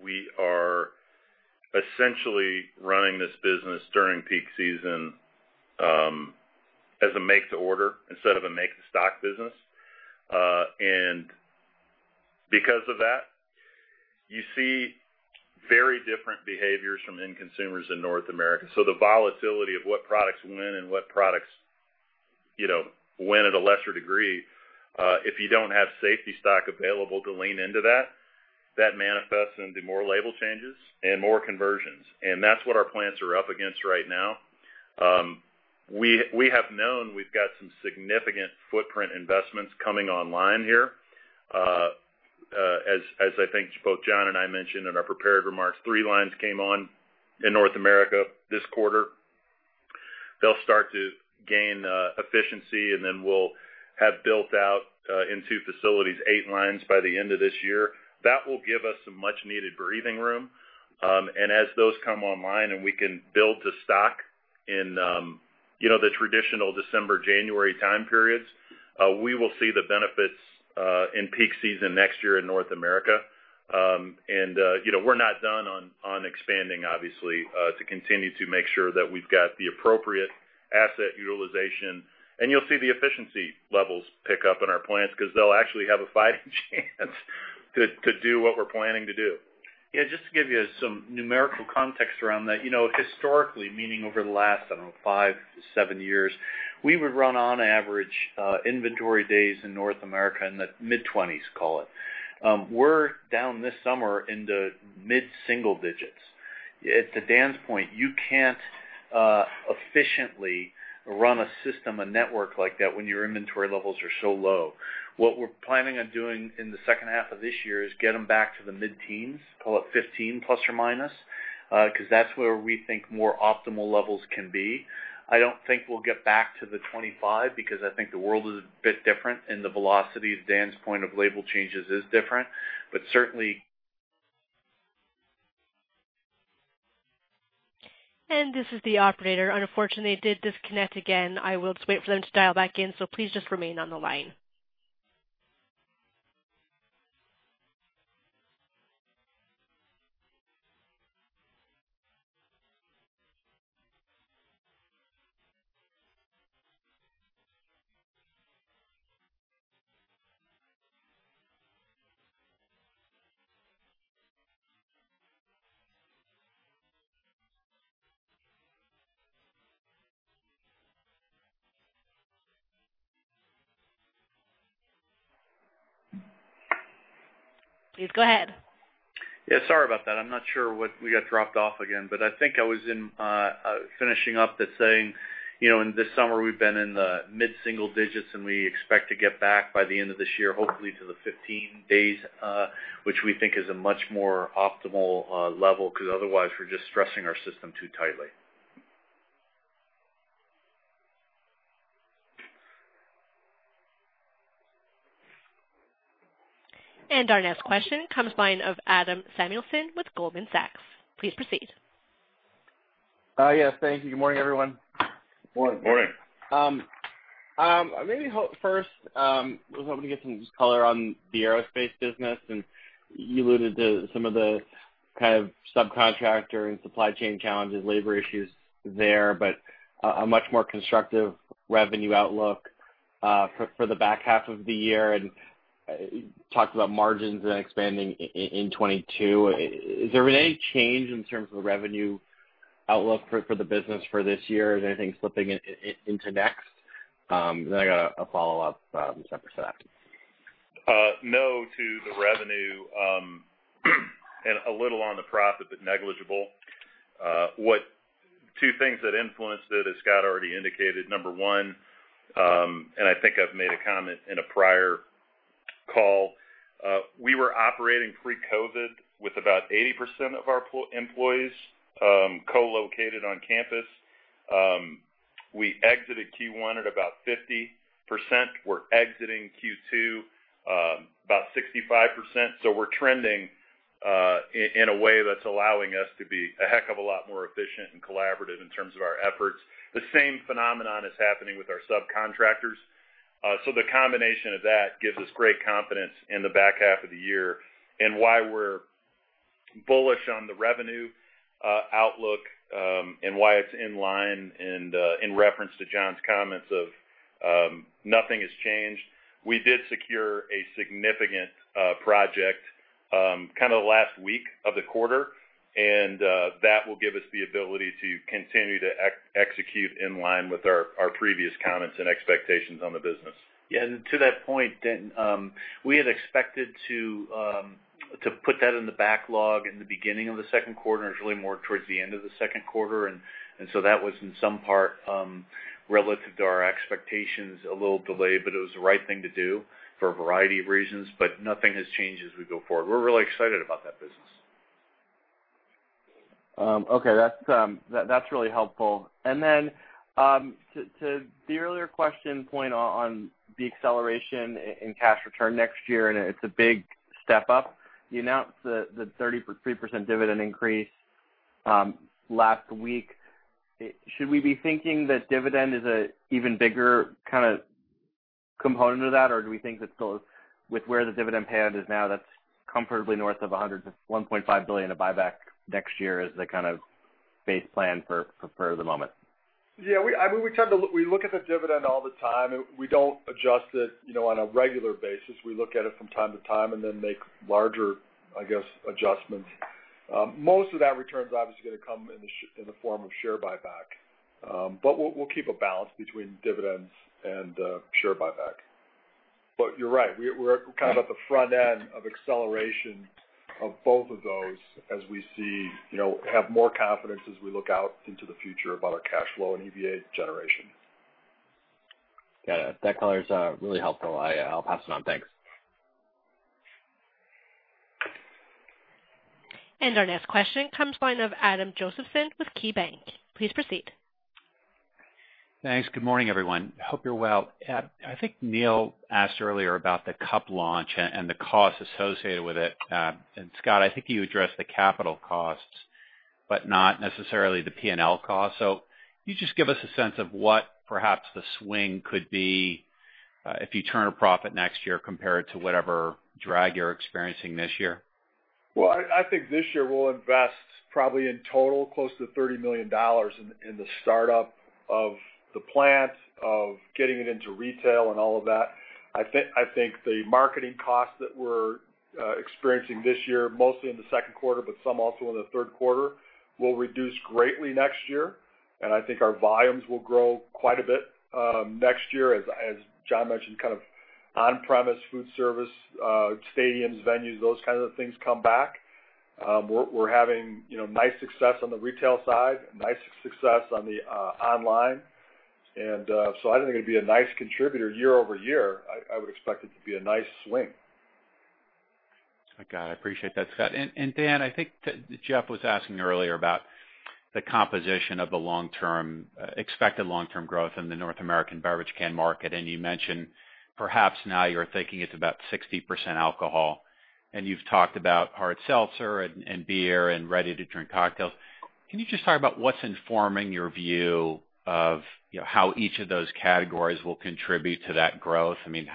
we are essentially running this business during peak season as a make-to-order instead of a make-to-stock business. Because of that, you see very different behaviors from end consumers in North America. The volatility of what products win and what products win at a lesser degree, if you don't have safety stock available to lean into that manifests into more label changes and more conversions. That's what our plants are up against right now. We have known we've got some significant footprint investments coming online here. As I think both John and I mentioned in our prepared remarks, three lines came on in North America this quarter. They'll start to gain efficiency, and then we'll have built out in two facilities, eight lines by the end of this year. That will give us some much needed breathing room. As those come online and we can build to stock in the traditional December, January time periods, we will see the benefits in peak season next year in North America. We're not done on expanding, obviously, to continue to make sure that we've got the appropriate asset utilization. You'll see the efficiency levels pick up in our plants because they'll actually have a fighting chance to do what we're planning to do. Yeah, just to give you some numerical context around that. Historically, meaning over the last, I don't know, five to seven years, we would run on average inventory days in North America in the mid-20s, call it. We're down this summer in the mid-single digits. To Dan's point, you can't efficiently run a system, a network like that when your inventory levels are so low. What we're planning on doing in the second half of this year is get them back to the mid-teens, call it 15 plus or minus, because that's where we think more optimal levels can be. I don't think we'll get back to the 25 because I think the world is a bit different. The velocity of Dan's point of label changes is different. This is the operator. Unfortunately, they did disconnect again. I will just wait for them to dial back in, so please just remain on the line. Please go ahead. Yeah, sorry about that. I'm not sure. We got dropped off again. I think I was finishing up that saying, in this summer we've been in the mid-single digits, and we expect to get back by the end of this year, hopefully to the 15 days, which we think is a much more optimal level, because otherwise we're just stressing our system too tightly. Our next question comes by of Adam Samuelson with Goldman Sachs. Please proceed. Yes, thank you. Good morning, everyone. Morning. Morning. Maybe first, I was hoping to get some just color on the aerospace business. You alluded to some of the kind of subcontractor and supply chain challenges, labor issues there. A much more constructive revenue outlook for the back half of the year and talked about margins and expanding in 2022. Has there been any change in terms of the revenue outlook for the business for this year? Is anything slipping into next? I got a follow-up separate to that. No to the revenue, and a little on the profit, but negligible. Two things that influenced it, as Scott already indicated. Number one, and I think I've made a comment in a prior call. We were operating pre-COVID with about 80% of our employees co-located on campus. We exited Q1 at about 50%. We're exiting Q2 about 65%. We're trending in a way that's allowing us to be a heck of a lot more efficient and collaborative in terms of our efforts. The same phenomenon is happening with our subcontractors. The combination of that gives us great confidence in the back half of the year and why we're bullish on the revenue outlook and why it's in line and in reference to John's comments of nothing has changed. We did secure a significant project kind of the last week of the quarter, and that will give us the ability to continue to execute in line with our previous comments and expectations on the business. Yeah. To that point, Dan, we had expected to put that in the backlog in the beginning of the second quarter, and it was really more towards the end of the second quarter. That was in some part, relative to our expectations, a little delayed, but it was the right thing to do for a variety of reasons. Nothing has changed as we go forward. We're really excited about that business. Okay. That's really helpful. To the earlier question point on the acceleration in cash return next year, and it's a big step up. You announced the 33% dividend increase last week. Should we be thinking that dividend is an even bigger component of that? Do we think that with where the dividend payout is now, that's comfortably north of $100 million to $1.5 billion of buyback next year is the kind of base plan for the moment? Yeah. We look at the dividend all the time. We don't adjust it on a regular basis. We look at it from time to time and then make larger, I guess, adjustments. Most of that return is obviously going to come in the form of share buyback. We'll keep a balance between dividends and share buyback. You're right. We're kind of at the front end of acceleration of both of those as we have more confidence as we look out into the future about our cash flow and EVA generation. Got it. That color is really helpful. I'll pass it on. Thanks. Our next question comes by line of Adam Josephson with KeyBanc. Please proceed. Thanks. Good morning, everyone. Hope you're well. I think Neel asked earlier about the Cup launch and the cost associated with it. Scott, I think you addressed the capital costs, but not necessarily the P&L cost. Can you just give us a sense of what perhaps the swing could be, if you turn a profit next year compared to whatever drag you're experiencing this year? Well, I think this year we'll invest probably in total close to $30 million in the startup of the plant, of getting it into retail and all of that. I think the marketing costs that we're experiencing this year, mostly in the second quarter, but some also in the third quarter, will reduce greatly next year. I think our volumes will grow quite a bit, next year, as John mentioned, kind of on-premise food service, stadiums, venues, those kinds of things come back. We're having nice success on the retail side, nice success on the online. I think it'd be a nice contributor year-over-year. I would expect it to be a nice swing. Got it. I appreciate that, Scott. Dan, I think that Jeff was asking earlier about the composition of the expected long-term growth in the North American beverage can market, and you mentioned perhaps now you're thinking it's about 60% alcohol, and you've talked about hard seltzer and beer and ready-to-drink cocktails. Can you just talk about what's informing your view of how each of those categories will contribute to that growth? I mean,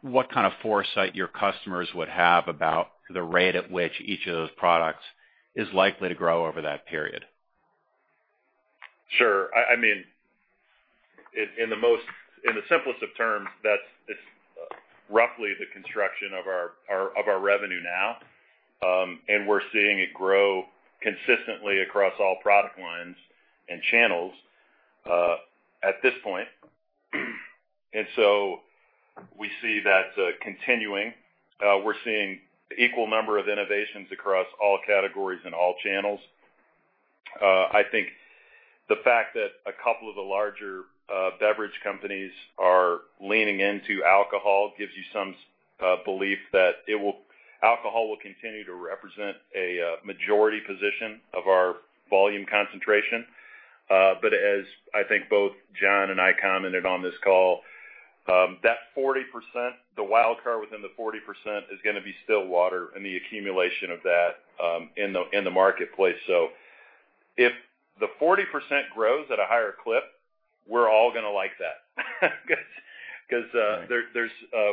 what kind of foresight your customers would have about the rate at which each of those products is likely to grow over that period? Sure. In the simplest of terms, that's roughly the construction of our revenue now. We're seeing it grow consistently across all product lines and channels, at this point. We see that continuing. We're seeing equal number of innovations across all categories and all channels. I think the fact that a couple of the larger beverage companies are leaning into alcohol gives you some belief that alcohol will continue to represent a majority position of our volume concentration. As I think both John and I commented on this call, the wild card within the 40% is going to be still water and the accumulation of that in the marketplace. If the 40% grows at a higher clip, we're all going to like that. Because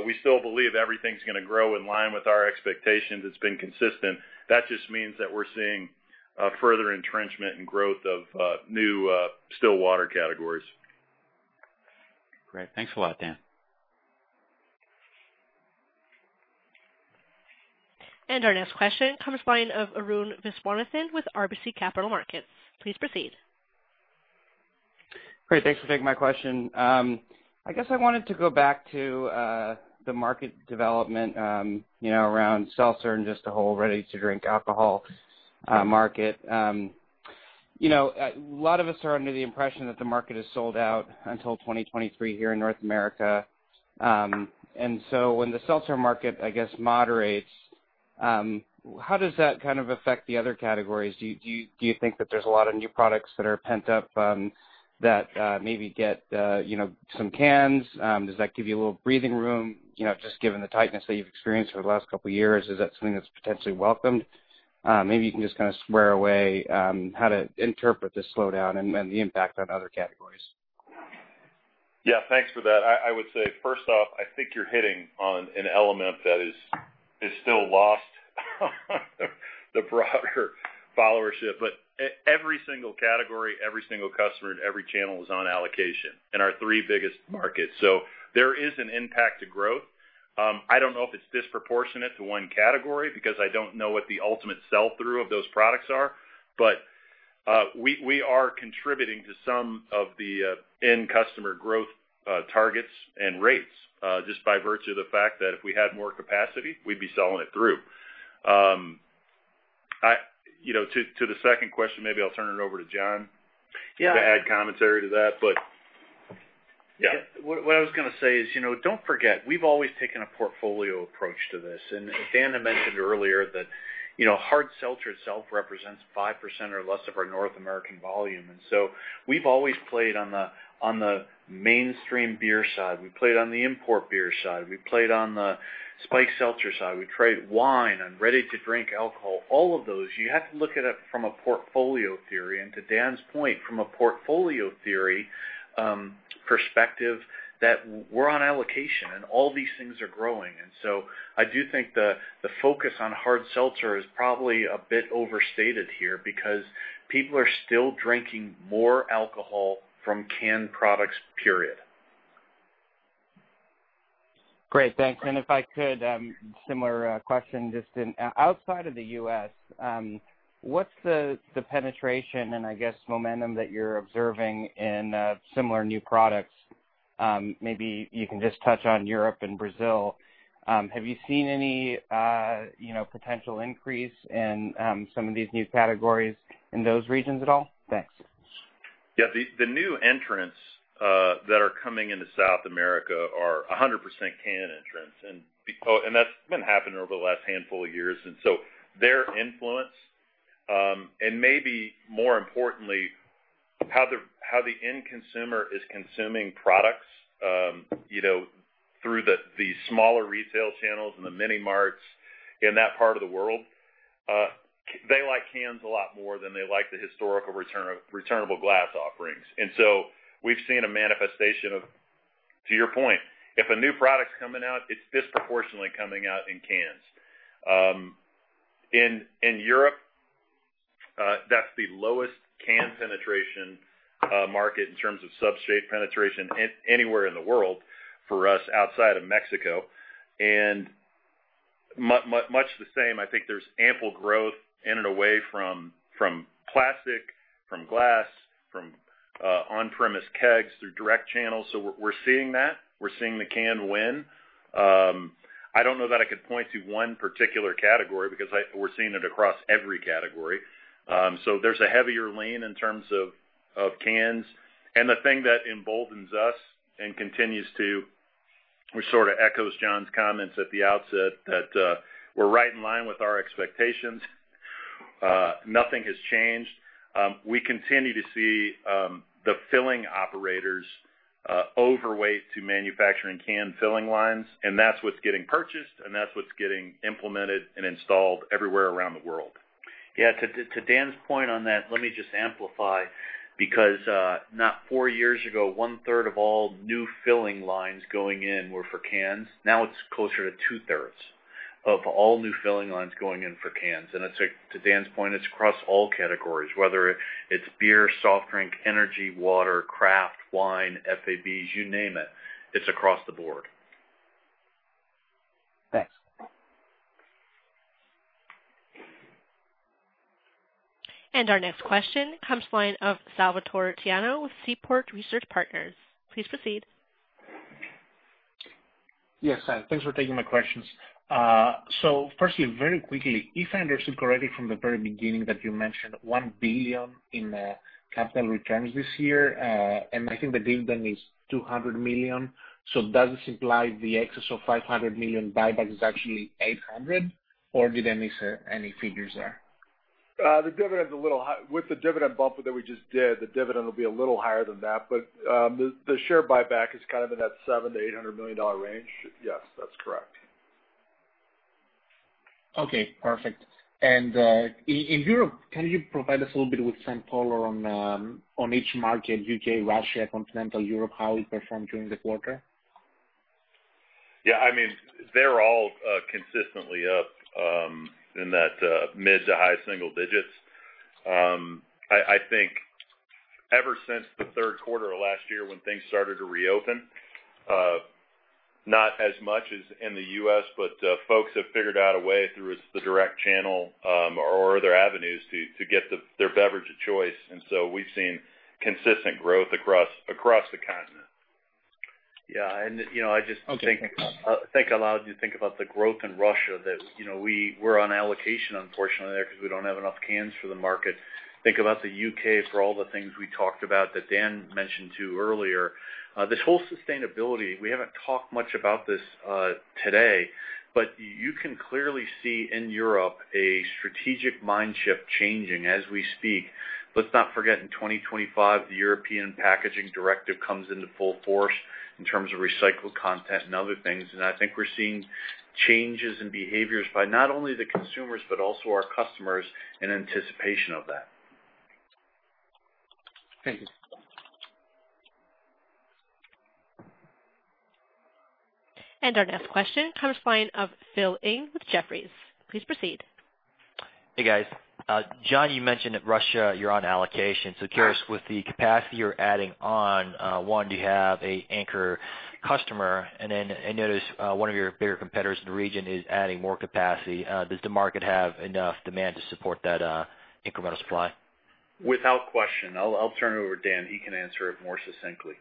we still believe everything's going to grow in line with our expectations. It's been consistent. That just means that we're seeing further entrenchment and growth of new still water categories. Great. Thanks a lot, Dan. Our next question comes by line of Arun Viswanathan with RBC Capital Markets. Please proceed. Great. Thanks for taking my question. I guess I wanted to go back to the market development around seltzer and just the whole ready-to-drink alcohol market. A lot of us are under the impression that the market is sold out until 2023 here in North America. When the seltzer market, I guess, moderates, how does that kind of affect the other categories? Do you think that there's a lot of new products that are pent up, that maybe get some cans? Does that give you a little breathing room, just given the tightness that you've experienced over the last couple of years? Is that something that's potentially welcomed? Maybe you can just kind of square away how to interpret the slowdown and the impact on other categories. Yeah. Thanks for that. I would say, first off, I think you're hitting on an element that is still lost on the broader followership, but every single category, every single customer and every channel is on allocation in our three biggest markets. There is an impact to growth. I don't know if it's disproportionate to one category because I don't know what the ultimate sell-through of those products are. We are contributing to some of the end customer growth targets and rates, just by virtue of the fact that if we had more capacity, we'd be selling it through. To the second question, maybe I'll turn it over to John. Yeah. To add commentary to that, but. Yeah. What I was going to say is, don't forget, we've always taken a portfolio approach to this. Dan had mentioned earlier that hard seltzer itself represents 5% or less of our North American volume. We've always played on the mainstream beer side, we played on the import beer side, we played on the spiked seltzer side, we trade wine and ready-to-drink alcohol, all of those, you have to look at it from a portfolio theory. To Dan's point, from a portfolio theory perspective, that we're on allocation and all these things are growing. I do think the focus on hard seltzer is probably a bit overstated here because people are still drinking more alcohol from canned products, period. Great. Thanks. If I could, similar question, just in outside of the U.S., what's the penetration and I guess momentum that you're observing in similar new products? Maybe you can just touch on Europe and Brazil. Have you seen any potential increase in some of these new categories in those regions at all? Thanks. Yeah. The new entrants that are coming into South America are 100% can entrants, and that's been happening over the last handful of years. Their influence, and maybe more importantly, how the end consumer is consuming products through the smaller retail channels and the mini marts in that part of the world. They like cans a lot more than they like the historical returnable glass offerings. We've seen a manifestation of, to your point, if a new product's coming out, it's disproportionately coming out in cans. In Europe, that's the lowest can penetration market in terms of substrate penetration anywhere in the world for us outside of Mexico. Much the same, I think there's ample growth in and away from plastic, from glass, from on-premise kegs through direct channels. We're seeing that. We're seeing the can win. I don't know that I could point to one particular category because we're seeing it across every category. There's a heavier lean in terms of cans. The thing that emboldens us and continues to, which sort of echoes John's comments at the outset, that we're right in line with our expectations. Nothing has changed. We continue to see the filling operators overweight to manufacturing can filling lines, and that's what's getting purchased, and that's what's getting implemented and installed everywhere around the world. Yeah. To Dan's point on that, let me just amplify, because not four years ago, one third of all new filling lines going in were for cans. Now it's closer to two thirds of all new filling lines going in for cans. To Dan's point, it's across all categories, whether it's beer, soft drink, energy, water, craft, wine, FABs, you name it. It's across the board. Thanks. Our next question comes the line of Salvator Tiano with Seaport Research Partners. Please proceed. Yes. Thanks for taking my questions. Firstly, very quickly, if I understood correctly from the very beginning that you mentioned $1 billion in capital returns this year, and I think the dividend is $200 million. Does this imply the excess of $500 million buyback is actually $800 million, or did I miss any figures there? With the dividend bumper that we just did, the dividend will be a little higher than that, but the share buyback is kind of in that $700 million-$800 million range. Yes, that's correct. Okay, perfect. In Europe, can you provide us a little bit with some color on each market, U.K., Russia, continental Europe, how it performed during the quarter? Yeah. They're all consistently up in that mid to high single digits. I think ever since the third quarter of last year when things started to reopen, not as much as in the U.S., but folks have figured out a way through the direct channel or other avenues to get their beverage of choice. We've seen consistent growth across the continent. Yeah. Okay, thanks. Allow you to think about the growth in Russia that we're on allocation unfortunately there, because we don't have enough cans for the market. Think about the U.K. for all the things we talked about that Dan mentioned too earlier. This whole sustainability, we haven't talked much about this today, but you can clearly see in Europe a strategic mind shift changing as we speak. Let's not forget, in 2025, the European Packaging Directive comes into full force in terms of recycled content and other things. I think we're seeing changes in behaviors by not only the consumers, but also our customers in anticipation of that. Thank you. Our next question comes the line of Phil Ng with Jefferies. Please proceed. Hey, guys. John, you mentioned that Russia, you're on allocation. I'm curious with the capacity you're adding on, one, do you have an anchor customer? I notice one of your bigger competitors in the region is adding more capacity. Does the market have enough demand to support that incremental supply? Without question. I'll turn it over to Dan. He can answer it more succinctly.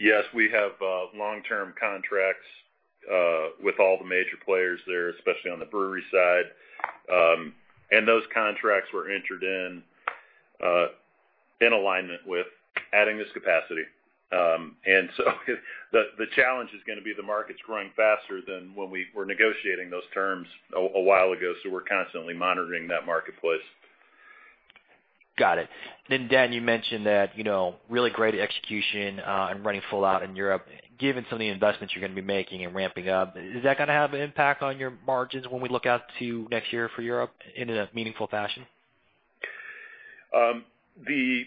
Yes, we have long-term contracts with all the major players there, especially on the brewery side. Those contracts were entered in alignment with adding this capacity. The challenge is going to be the market's growing faster than when we were negotiating those terms a while ago, so we're constantly monitoring that marketplace. Got it. Dan, you mentioned that really great execution and running full out in Europe. Given some of the investments you're going to be making and ramping up, is that going to have an impact on your margins when we look out to next year for Europe in a meaningful fashion? The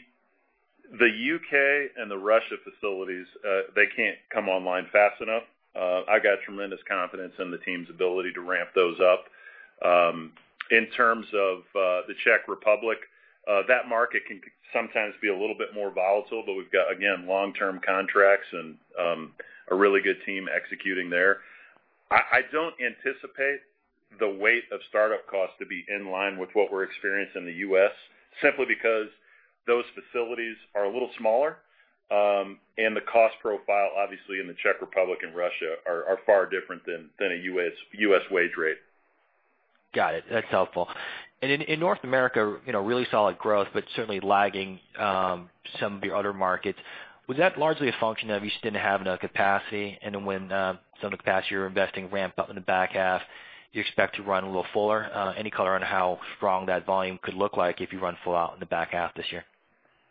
U.K. and the Russia facilities, they can't come online fast enough. I got tremendous confidence in the team's ability to ramp those up. In terms of the Czech Republic, that market can sometimes be a little bit more volatile. We've got, again, long-term contracts and a really good team executing there. I don't anticipate the weight of startup costs to be in line with what we're experiencing in the U.S., simply because those facilities are a little smaller. The cost profile, obviously, in the Czech Republic and Russia are far different than a U.S. wage rate. Got it. That's helpful. In North America, really solid growth, but certainly lagging some of your other markets. Was that largely a function of you just didn't have enough capacity, and then when some of the capacity you were investing ramped up in the back half, do you expect to run a little fuller? Any color on how strong that volume could look like if you run full out in the back half this year?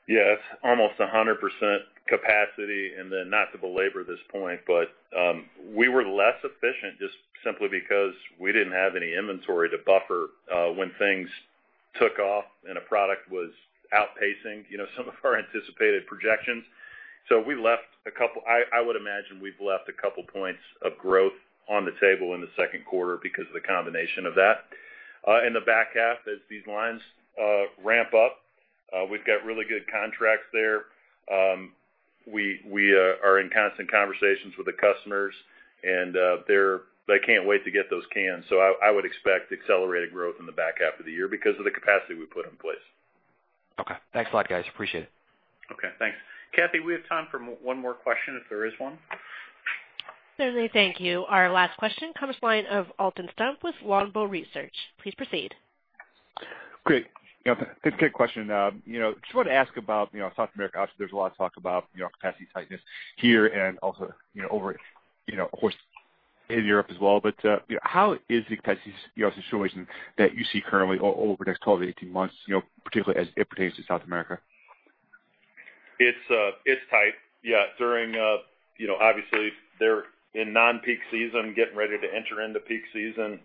Yeah. It's almost 100% capacity. Not to belabor this point, but we were less efficient just simply because we didn't have any inventory to buffer when things took off and a product was outpacing some of our anticipated projections. I would imagine we've left a couple points of growth on the table in the second quarter because of the combination of that. In the back half, as these lines ramp up, we've got really good contracts there. We are in constant conversations with the customers, and they can't wait to get those cans. I would expect accelerated growth in the back half of the year because of the capacity we put in place. Okay. Thanks a lot, guys. Appreciate it. Okay, thanks. Kathy, we have time for one more question if there is one. Certainly. Thank you. Our last question comes line of Alton Stump with Longbow Research. Please proceed. Great. Good question. Just wanted to ask about South America. Obviously, there's a lot of talk about capacity tightness here and also, of course, in Europe as well. How is the capacity situation that you see currently over the next 12 to 18 months, particularly as it pertains to South America? It's tight, yeah. Obviously, they're in non-peak season, getting ready to enter into peak season.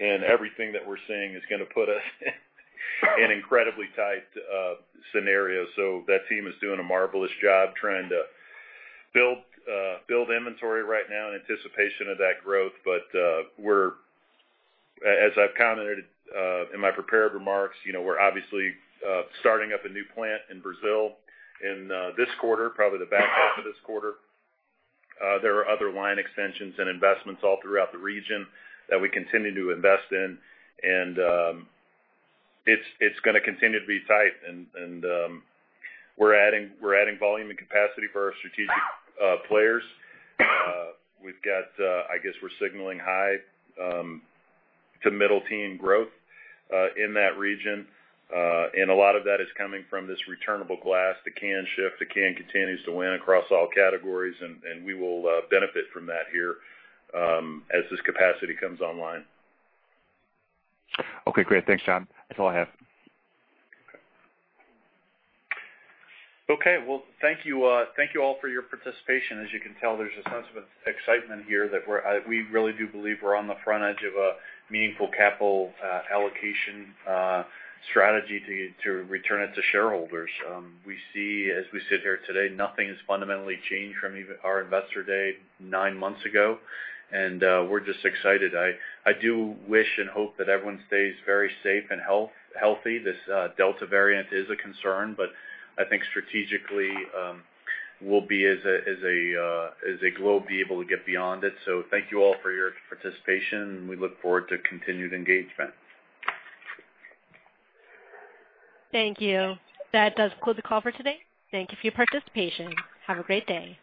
Everything that we're seeing is going to put us in an incredibly tight scenario. That team is doing a marvelous job trying to build inventory right now in anticipation of that growth. As I've commented in my prepared remarks, we're obviously starting up a new plant in Brazil in this quarter, probably the back half of this quarter. There are other line extensions and investments all throughout the region that we continue to invest in. It's going to continue to be tight. We're adding volume and capacity for our strategic players. We've got, I guess we're signaling high to middle teen growth in that region. A lot of that is coming from this returnable glass, the can shift. The can continues to win across all categories. We will benefit from that here as this capacity comes online. Okay, great. Thanks, John. That's all I have. Well, thank you all for your participation. As you can tell, there's a sense of excitement here that we really do believe we're on the front edge of a meaningful capital allocation strategy to return it to shareholders. We see, as we sit here today, nothing has fundamentally changed from our Investor Day nine months ago, and we're just excited. I do wish and hope that everyone stays very safe and healthy. This Delta variant is a concern, but I think strategically, we'll, as a globe, be able to get beyond it. Thank you all for your participation, and we look forward to continued engagement. Thank you. That does conclude the call for today. Thank you for your participation. Have a great day.